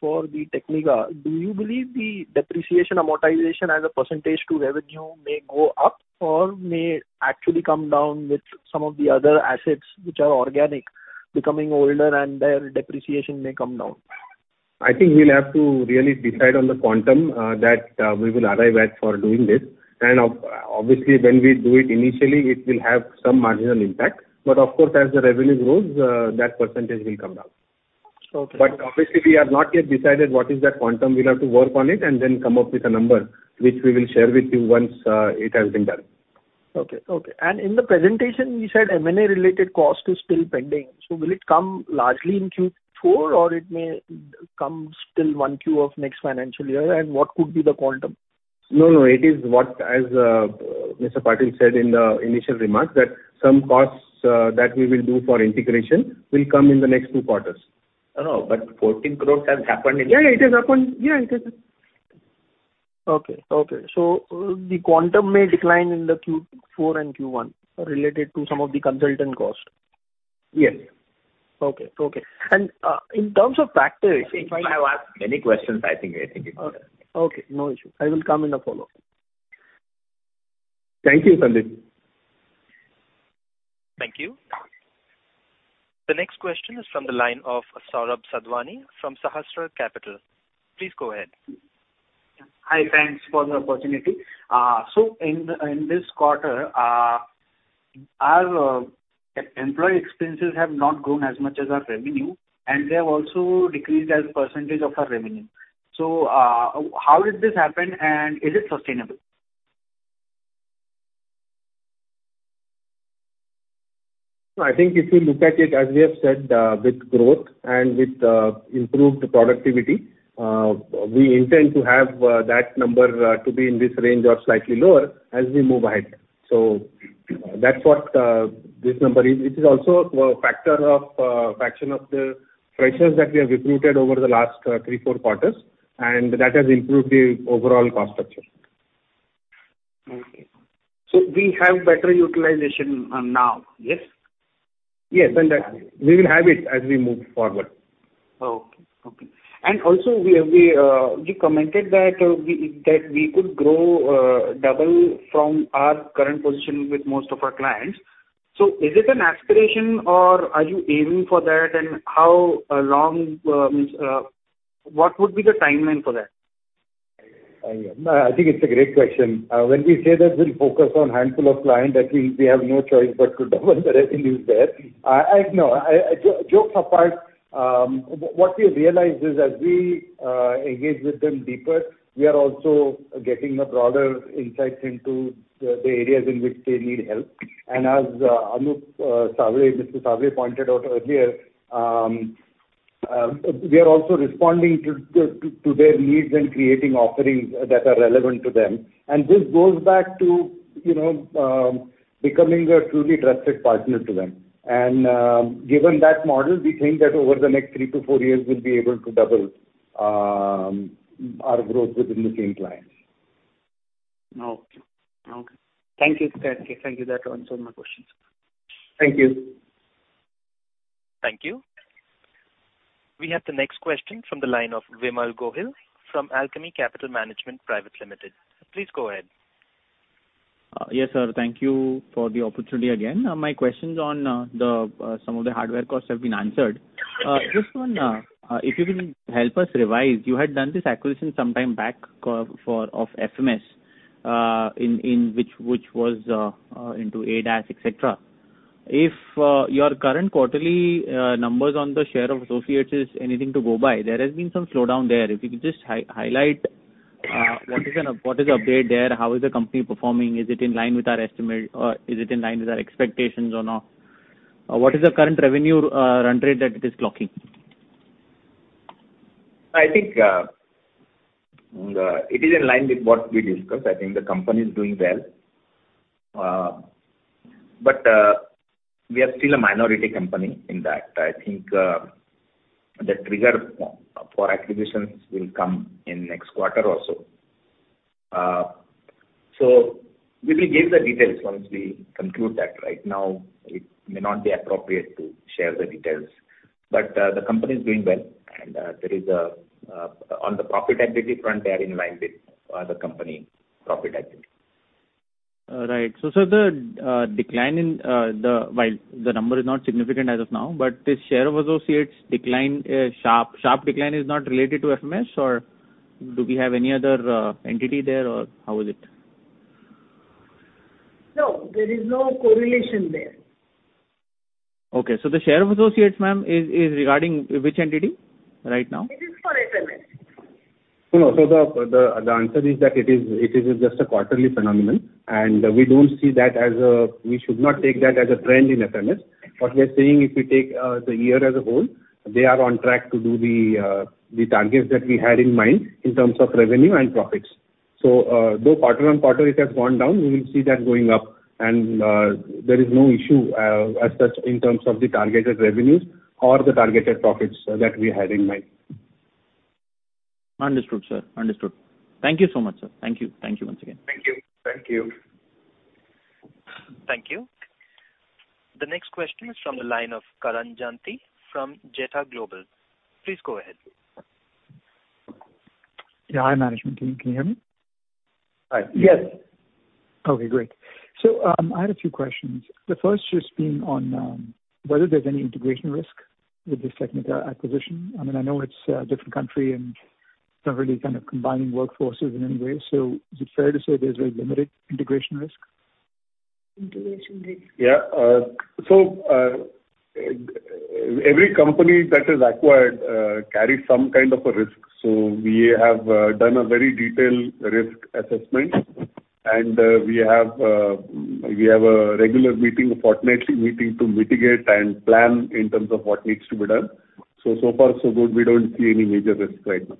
for the Technica, do you believe the depreciation amortization as a % to revenue may go up or may actually come down with some of the other assets which are organic, becoming older and their depreciation may come down? I think we'll have to really decide on the quantum that we will arrive at for doing this. Obviously, when we do it initially, it will have some marginal impact. Of course, as the revenue grows, that percentage will come down. Okay. Obviously we have not yet decided what is that quantum. We'll have to work on it and then come up with a number which we will share with you once it has been done. Okay. Okay. In the presentation, we said M&A related cost is still pending. Will it come largely in Q4 or it may come still 1 Q of next financial year? What could be the quantum? No, no. It is what, as Mr. Patil said in the initial remarks, that some costs, that we will do for integration will come in the next two quarters. No, no. 14 crores has happened. Yeah, yeah. It has happened. Yeah, it has. Okay. Okay. The quantum may decline in the Q4 and Q1 related to some of the consultant costs? Yes. Okay. Okay. In terms of factors. I think you have asked many questions. I think it is enough. Okay. No issue. I will come in a follow-up. Thank you, Sandeep. Thank you. The next question is from the line of Saurabh Kapadia from Sahasraa Capital. Please go ahead. Hi. Thanks for the opportunity. In this quarter, our employee expenses have not grown as much as our revenue, and they have also decreased as a percent of our revenue. How did this happen, and is it sustainable? I think if you look at it, as we have said, with growth and with improved productivity, we intend to have that number to be in this range or slightly lower as we move ahead. That's what this number is. It is also a factor of fraction of the freshers that we have recruited over the last three, four quarters, and that has improved the overall cost structure. Okay. We have better utilization now, yes? Yes. We will have it as we move forward. Okay. Okay. Also we, you commented that we could grow double from our current position with most of our clients. Is it an aspiration or are you aiming for that? How long, what would be the timeline for that? I think it's a great question. When we say that we'll focus on handful of clients, that means we have no choice but to double the revenues there. Jokes apart, what we've realized is as we engage with them deeper, we are also getting the broader insights into the areas in which they need help. As Anup Sable, Mr. Sable pointed out earlier, we are also responding to their needs and creating offerings that are relevant to them. This goes back to, you know, becoming a truly trusted partner to them. Given that model, we think that over the next three to four years, we'll be able to double our growth within the same clients. Okay. Okay. Thank you. Thank you. That answered my questions. Thank you. Thank you. We have the next question from the line of Vimal Gohil from Alchemy Capital Management Private Limited. Please go ahead. Yes, sir. Thank you for the opportunity again. My questions on the, some of the hardware costs have been answered. Just one, if you can help us revise, you had done this acquisition sometime back, for, of FMS, in which was into ADAS, et cetera. If your current quarterly numbers on the share of associates is anything to go by, there has been some slowdown there. If you could just highlight what is an, what is the update there? How is the company performing? Is it in line with our estimate or is it in line with our expectations or not? What is the current revenue run rate that it is clocking? I think it is in line with what we discussed. I think the company is doing well. We are still a minority company in that. I think the trigger for acquisitions will come in next quarter also. We will give the details once we conclude that. Right now, it may not be appropriate to share the details, but the company is doing well, and there is on the profit activity front, they are in line with other company profit activity. Right. The decline in the... While the number is not significant as of now, but this share of associates decline, sharp decline is not related to FMS. Do we have any other entity there or how is it? No, there is no correlation there. Okay. the share of associates, ma'am is regarding which entity right now? It is for FMS. No, no. The answer is that it is just a quarterly phenomenon, and we don't see that as a trend in FMS. What we are saying, if you take the year as a whole, they are on track to do the targets that we had in mind in terms of revenue and profits. Though quarter on quarter it has gone down, we will see that going up. There is no issue as such in terms of the targeted revenues or the targeted profits that we had in mind. Understood, sir. Understood. Thank you so much, sir. Thank you. Thank you once again. Thank you. Thank you. Thank you. The next question is from the line of Vinit Jethalal from Jetha Global. Please go ahead. Yeah. Hi, management team. Can you hear me? Hi. Yes. Okay, great. I had a few questions. The first just being on, whether there's any integration risk with this Technica acquisition. I mean, I know it's a different country and not really kind of combining workforces in any way. Is it fair to say there's very limited integration risk? Integration risk. Yeah. Every company that is acquired, carries some kind of a risk. We have done a very detailed risk assessment, and, we have a regular meeting, a fortnightly meeting to mitigate and plan in terms of what needs to be done. So far so good. We don't see any major risks right now.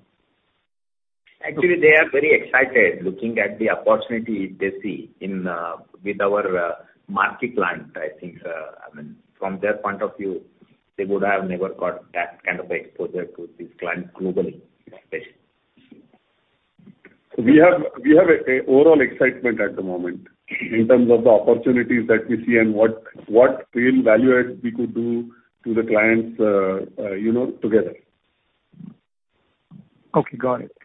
Actually, they are very excited looking at the opportunity they see in with our marquee client. I think, I mean, from their point of view, they would have never got that kind of exposure to this client globally. We have a overall excitement at the moment in terms of the opportunities that we see and what real value add we could do to the clients, you know, together. Okay, got it.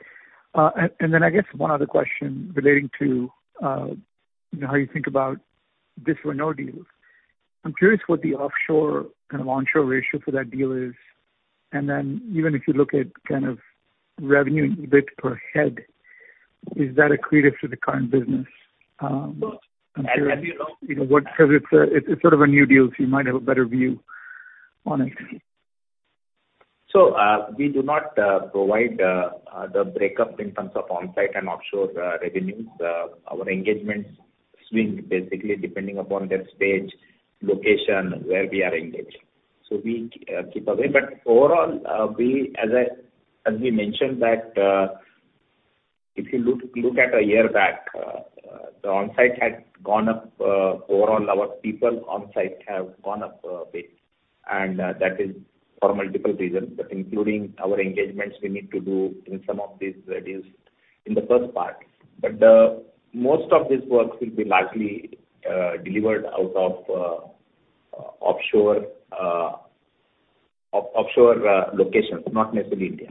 I guess one other question relating to, you know, how you think about this Renault deal. I'm curious what the offshore and onshore ratio for that deal is. Even if you look at kind of revenue and EBIT per head, is that accretive to the current business? I'm curious, you know, what 'cause it's sort of a new deal, so you might have a better view on it. We do not provide the breakup in terms of onsite and offshore revenues. Our engagements swing basically depending upon their stage, location, where we are engaged. We keep away. Overall, as I, as we mentioned that, if you look at a year back, the onsite had gone up, overall our people onsite have gone up a bit, and that is for multiple reasons, but including our engagements we need to do in some of these deals in the first part. Most of this work will be largely delivered out of offshore locations, not necessarily India.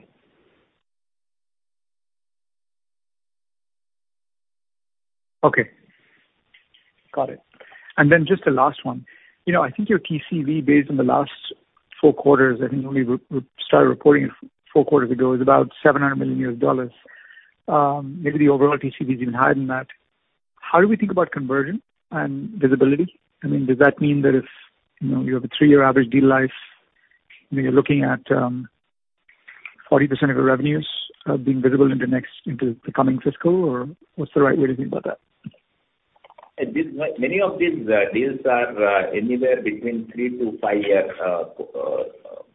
Okay. Got it. Just a last one. You know, I think your TCV based on the last four quarters, I think you only re-started reporting it four quarters ago, is about $700 million. Maybe the overall TCV is even higher than that. How do we think about conversion and visibility? I mean, does that mean that if, you know, you have a three-year average deal life, I mean, you're looking at 40% of the revenues being visible into the coming fiscal? What's the right way to think about that? This, many of these deals are anywhere between three to five years,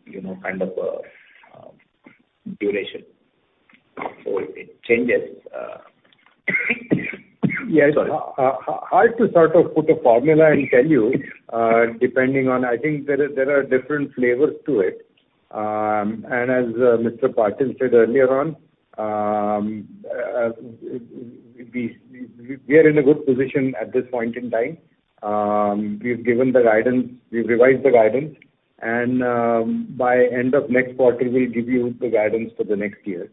you know, kind of, duration. It changes. Sorry. Yeah. It's hard to sort of put a formula and tell you, depending on... I think there are different flavors to it. As Mr. Patil said earlier on, we are in a good position at this point in time. We've given the guidance, we've revised the guidance, by end of next quarter, we'll give you the guidance for the next year.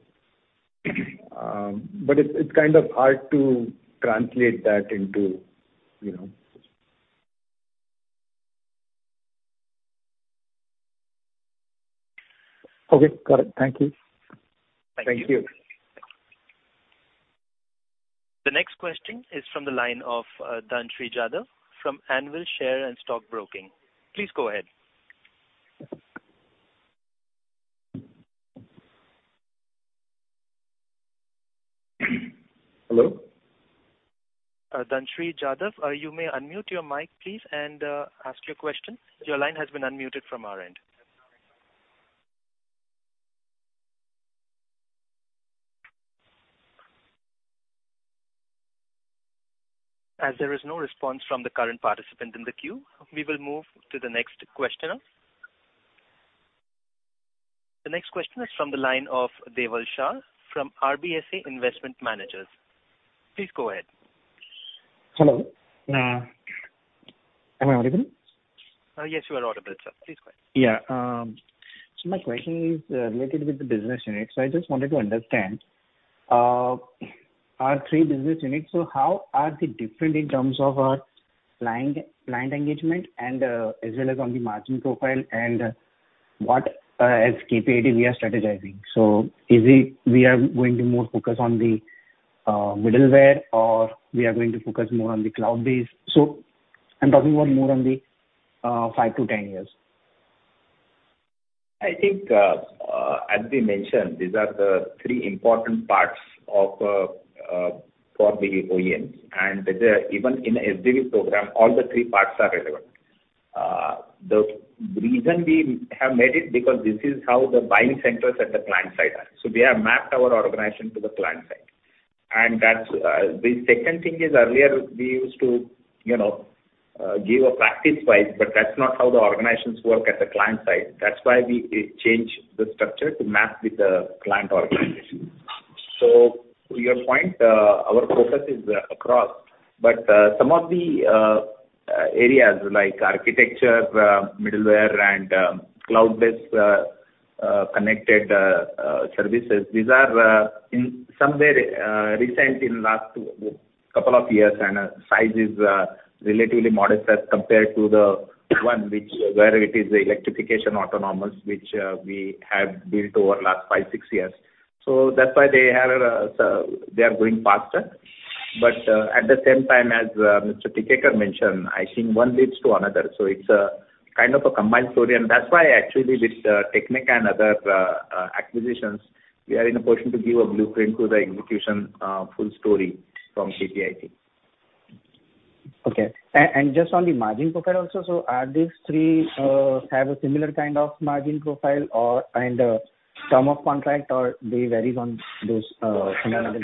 It's kind of hard to translate that into, you know. Okay. Got it. Thank you. Thank you. Thank you. The next question is from the line of Dhanshree Jadhav from Anvil Share and Stock Broking. Please go ahead. Hello. Dhanshree Jadhav, you may unmute your mic, please, and ask your question. Your line has been unmuted from our end. There is no response from the current participant in the queue, we will move to the next questioner. The next question is from the line of Deval Shah from RBSA Investment Managers. Please go ahead. Hello. Am I audible? Yes, you are audible, sir. Please go ahead. Yeah. My question is related with the business units. I just wanted to understand our three business units. How are they different in terms of? Client engagement and as well as on the margin profile and what as KPIT we are strategizing. Is it we are going to more focus on the middleware or we are going to focus more on the cloud-based? I'm talking about more on the five to 10 years. I think, as we mentioned, these are the three important parts of for the OEMs. Even in SDV program, all the three parts are relevant. The reason we have made it, because this is how the buying centers at the client side are. We have mapped our organization to the client side. That's. The second thing is earlier we used to, you know, give a practice-wise, but that's not how the organizations work at the client side. That's why we change the structure to map with the client organization. To your point, our focus is across, but some of the areas like architecture, middleware and cloud-based connected services, these are in somewhere recent in last couple of years, and size is relatively modest as compared to the one which where it is electrification autonomous, which we have built over last five, six years. That's why they have, they are growing faster. At the same time, as Mr. Tikekar mentioned, I think one leads to another. It's a kind of a combined story, and that's why actually with Technica and other acquisitions, we are in a position to give a blueprint to the execution, full story from KPIT. Okay. Just on the margin profile also, are these three have a similar kind of margin profile or, and, term of contract or they varies on those, similar-?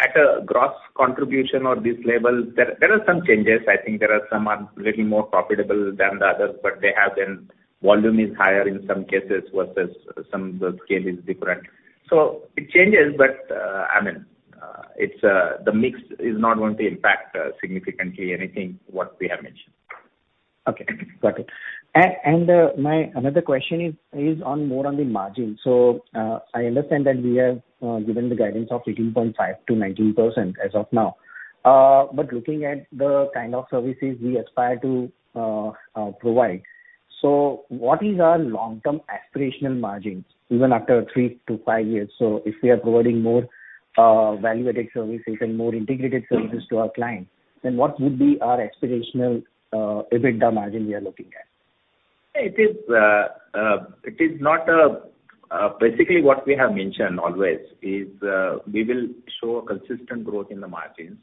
At a gross contribution or this level, there are some changes. I think there are some are little more profitable than the others, but volume is higher in some cases versus some the scale is different. It changes, but, I mean, it's the mix is not going to impact significantly anything what we have mentioned. Okay. Got it. My another question is on more on the margin. I understand that we have given the guidance of 18.5%-19% as of now. Looking at the kind of services we aspire to provide, what is our long-term aspirational margins even after three to five years? If we are providing more value-added services and more integrated services to our clients, then what would be our aspirational EBITDA margin we are looking at? It is, it is not, basically what we have mentioned always is, we will show consistent growth in the margins,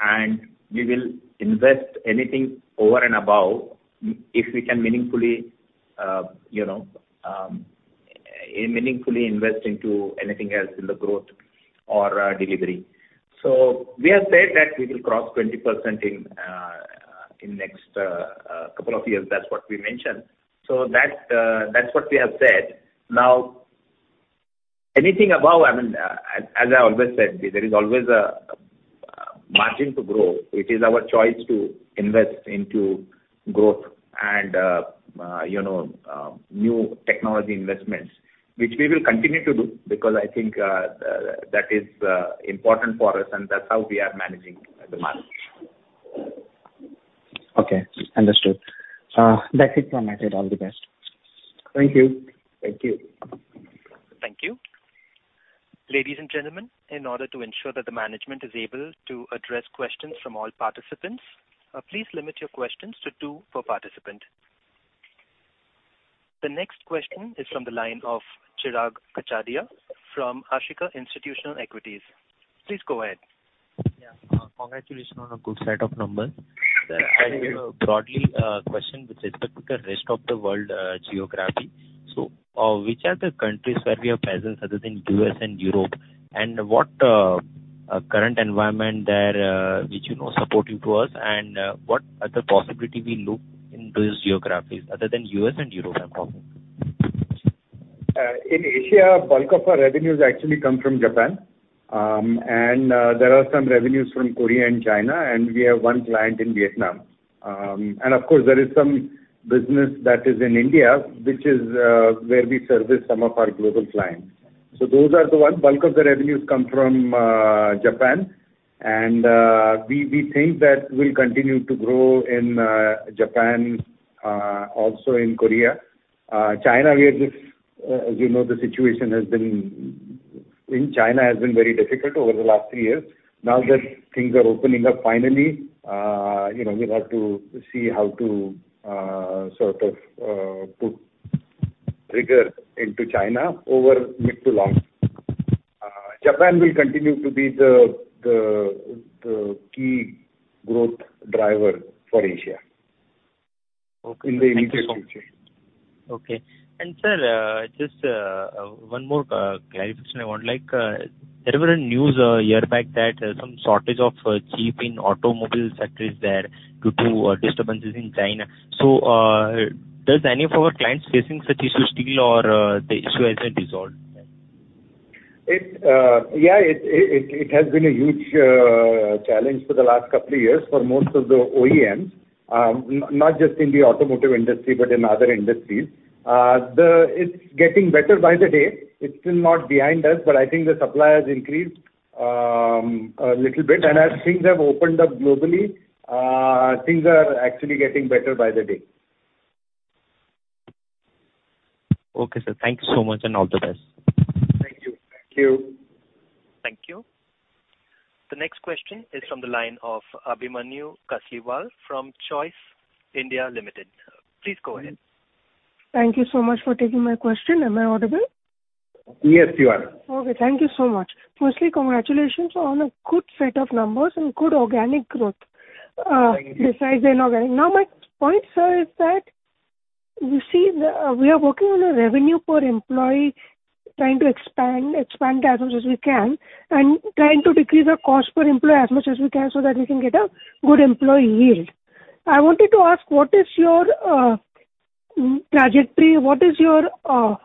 and we will invest anything over and above if we can meaningfully, you know, meaningfully invest into anything else in the growth or, delivery. We have said that we will cross 20% in next couple of years. That's what we mentioned. That's, that's what we have said. Anything above, I mean, as I always said, there is always a margin to grow. It is our choice to invest into growth and, you know, new technology investments, which we will continue to do because I think that is important for us, and that's how we are managing the margin. Okay. Understood. That's it from my side. All the best. Thank you. Thank you. Thank you. Ladies and gentlemen, in order to ensure that the management is able to address questions from all participants, please limit your questions to two per participant. The next question is from the line of Chirag Kachhadiya from Ashika Institutional Equities. Please go ahead. Yeah. Congratulations on a good set of numbers. Thank you. I have a broadly, question with respect to the rest of the world, geography. Which are the countries where we have presence other than U.S. and Europe, and what, current environment there, which, you know, supporting to us, and, what are the possibility we look into these geographies other than US and Europe, I'm talking? Uh, in Asia, bulk of our revenues actually come from Japan. Um, and, uh, there are some revenues from Korea and China, and we have one client in Vietnam. Um, and of course, there is some business that is in India, which is, uh, where we service some of our global clients. So those are the one. Bulk of the revenues come from, uh, Japan. And, uh, we, we think that we'll continue to grow in, uh, Japan, uh, also in Korea. Uh, China, we are just, uh, you know, the situation has been, in China has been very difficult over the last three years. Now that things are opening up finally, uh, you know, we'll have to see how to, uh, sort of, uh, put rigor into China over mid to long. Uh, Japan will continue to be the, the, the key growth driver for Asia. Okay. In the immediate future. Okay. sir, just one more clarification I want. Like, there were a news a year back that some shortage of chip in automobile sector is there due to disturbances in China. Does any of our clients facing such issue still or, the issue has been resolved? It, yeah, it has been a huge challenge for the last couple of years for most of the OEMs. Not just in the automotive industry, but in other industries. It's getting better by the day. It's still not behind us, but I think the supply has increased, a little bit. As things have opened up globally, things are actually getting better by the day. Okay, sir. Thank you so much, and all the best. Thank you. Thank you. Thank you. The next question is from the line of Abhimanyu Kasliwal from Choice India Limited. Please go ahead. Thank you so much for taking my question. Am I audible? Yes, you are. Okay, thank you so much. Congratulations on a good set of numbers and good organic growth. Thank you. Besides the inorganic. My point, sir, is that you see the, we are working on a revenue per employee trying to expand as much as we can and trying to decrease our cost per employee as much as we can so that we can get a good employee yield. I wanted to ask, what is your trajectory? What is your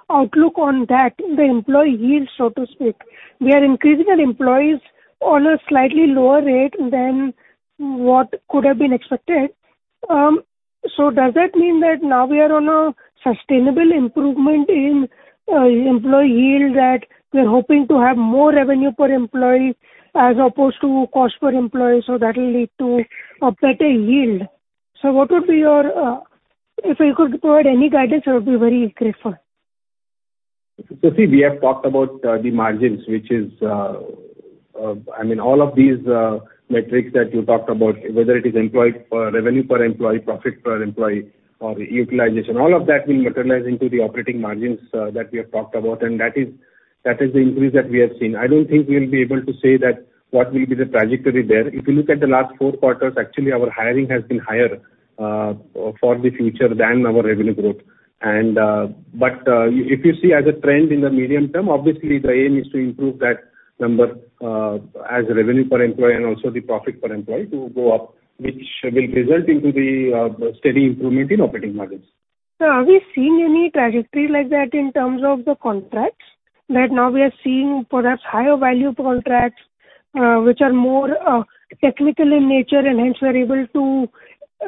outlook on that, the employee yield, so to speak? We are increasing our employees on a slightly lower rate than what could have been expected. Does that mean that now we are on a sustainable improvement in employee yield, that we're hoping to have more revenue per employee as opposed to cost per employee, so that'll lead to a better yield? If you could provide any guidance, I would be very grateful. See, we have talked about the margins, which is, I mean, all of these metrics that you talked about, whether it is revenue per employee, profit per employee or utilization, all of that will materialize into the operating margins that we have talked about, and that is the increase that we have seen. I don't think we'll be able to say that what will be the trajectory there. If you look at the last 4 quarters, actually our hiring has been higher for the future than our revenue growth. If you see as a trend in the medium term, obviously the aim is to improve that number as revenue per employee and also the profit per employee to go up, which will result into the steady improvement in operating margins. Sir, have you seen any trajectory like that in terms of the contracts? Now we are seeing perhaps higher value contracts, which are more technical in nature, hence we are able to,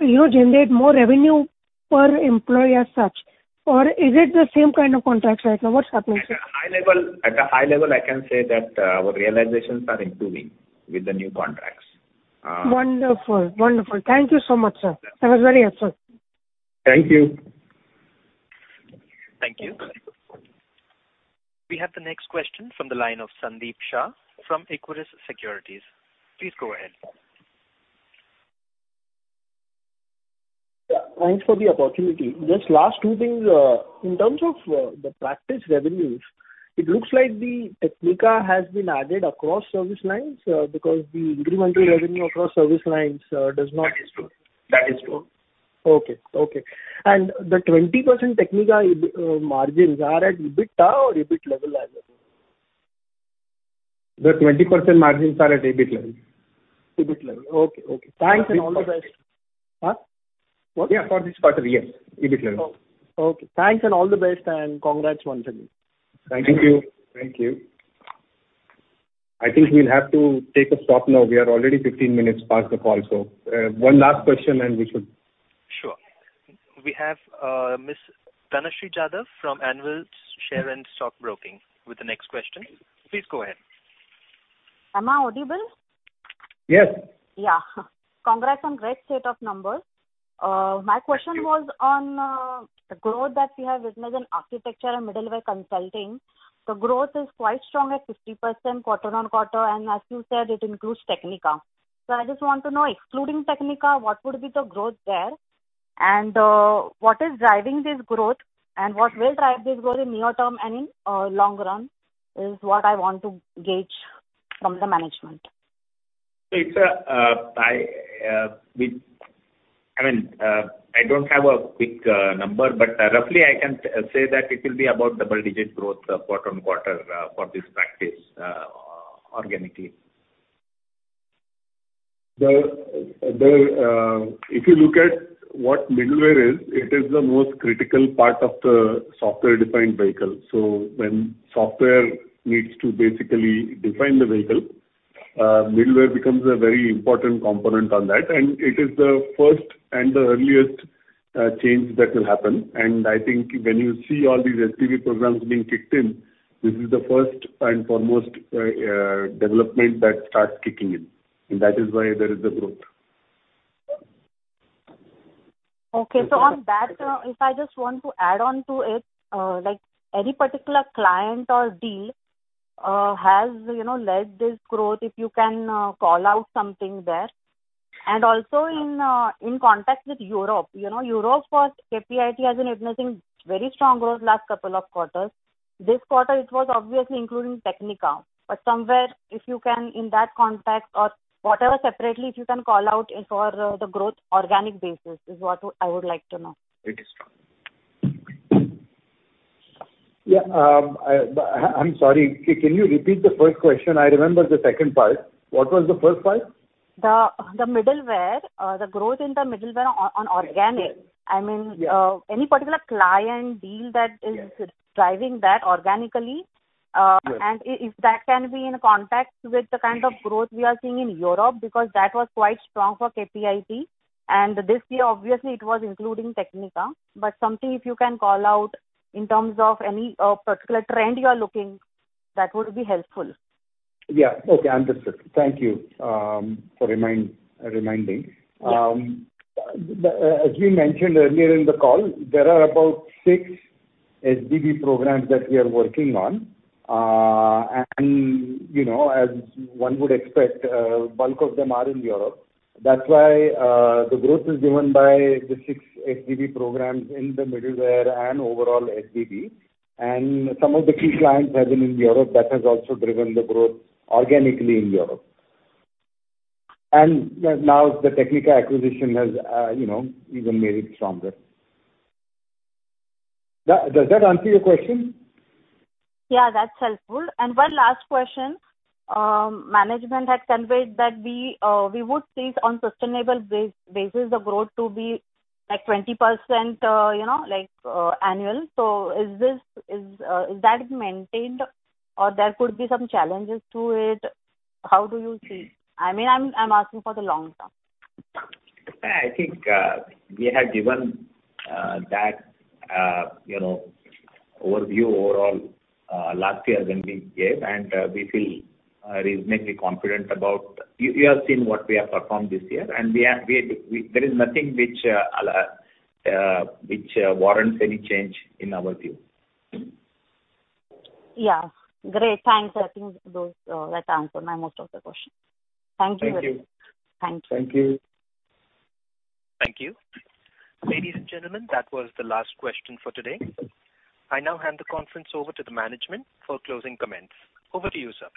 you know, generate more revenue per employee as such. Is it the same kind of contracts right now? What's happening, sir? At a high level, I can say that our realizations are improving with the new contracts. Wonderful. Wonderful. Thank you so much, sir. Yeah. That was very helpful. Thank you. Thank you. We have the next question from the line of Sandeep Shah from Equirus Securities. Please go ahead. Yeah. Thanks for the opportunity. Just last two things. In terms of the practice revenues, it looks like the Technica has been added across service lines, because the incremental revenue across service lines. That is true. That is true. Okay. Okay. The 20% Technica margins are at EBITA or EBIT level as of now? The 20% margins are at EBIT level. EBIT level. Okay. Okay. Thanks. All the best. For this quarter. Huh? What? Yeah, for this quarter. Yes. EBIT level. Okay. Thanks. All the best and congrats once again. Thank you. Thank you. I think we'll have to take a stop now. We are already 15 minutes past the call, so, one last question and we should. Sure. We have Ms. Dhanshree Jadhav from Anvil Share and Stock Broking with the next question. Please go ahead. Am I audible? Yes. Yeah. Congrats on great set of numbers. Thank you. was on, the growth that we have witnessed in architecture and middleware consulting. The growth is quite strong at 50% quarter-on-quarter, and as you said, it includes Technica. I just want to know, excluding Technica, what would be the growth there? What is driving this growth, and what will drive this growth in near term and in, long run is what I want to gauge from the management. It's, I mean, I don't have a quick number, but roughly I can say that it will be about double-digit growth quarter-on-quarter for this practice organically. The if you look at what middleware is, it is the most critical part of the software-defined vehicle. When software needs to basically define the vehicle, middleware becomes a very important component on that. It is the first and the earliest change that will happen. I think when you see all these SDV programs being kicked in, this is the first and foremost development that starts kicking in. That is why there is a growth. Okay. On that, if I just want to add on to it, like any particular client or deal, has, you know, led this growth, if you can, call out something there. Also in context with Europe. You know, Europe was, KPIT has been witnessing very strong growth last couple of quarters. This quarter it was obviously including Technica. Somewhere, if you can, in that context or whatever, separately, if you can call out for the growth organic basis is what I would like to know. It is true. Yeah, I'm sorry. Can you repeat the first question? I remember the second part. What was the first part? The middleware, the growth in the middleware on organic. Yes. Any particular client deal that is driving that organically? If that can be in contact with the kind of growth we are seeing in Europe, because that was quite strong for KPIT. This year, obviously, it was including Technica. Something, if you can call out in terms of any particular trend you are looking, that would be helpful. Yeah. Okay, understood. Thank you, for remind, reminding. Yeah. The, as we mentioned earlier in the call, there are about six SBB programs that we are working on. You know, as one would expect, bulk of them are in Europe. That's why, the growth is driven by the six SBB programs in the middleware and overall SBB. Some of the key clients have been in Europe. That has also driven the growth organically in Europe. Now the Technica acquisition has, you know, even made it stronger. Does that answer your question? Yeah, that's helpful. One last question. Management had conveyed that we would see on sustainable basis the growth to be like 20%, you know, like, annual. Is this, is that maintained or there could be some challenges to it? How do you see? I mean, I'm asking for the long term. I think, we have given, that, you know, overview overall, last year when we gave, and, we feel reasonably confident about. You have seen what we have performed this year, and we have, there is nothing which warrants any change in our view. Yeah. Great. Thanks. I think those, that answered my most of the questions. Thank you very much. Thank you. Thanks. Thank you. Thank you. Ladies and gentlemen, that was the last question for today. I now hand the conference over to the management for closing comments. Over to you, sir.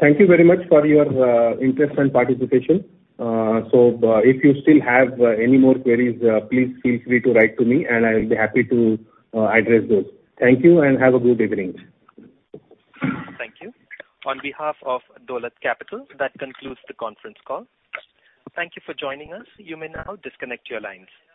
Thank you very much for your interest and participation. If you still have any more queries, please feel free to write to me and I will be happy to address those. Thank you and have a good evening. Thank you. On behalf of Dolat Capital, that concludes the conference call. Thank you for joining us. You may now disconnect your lines.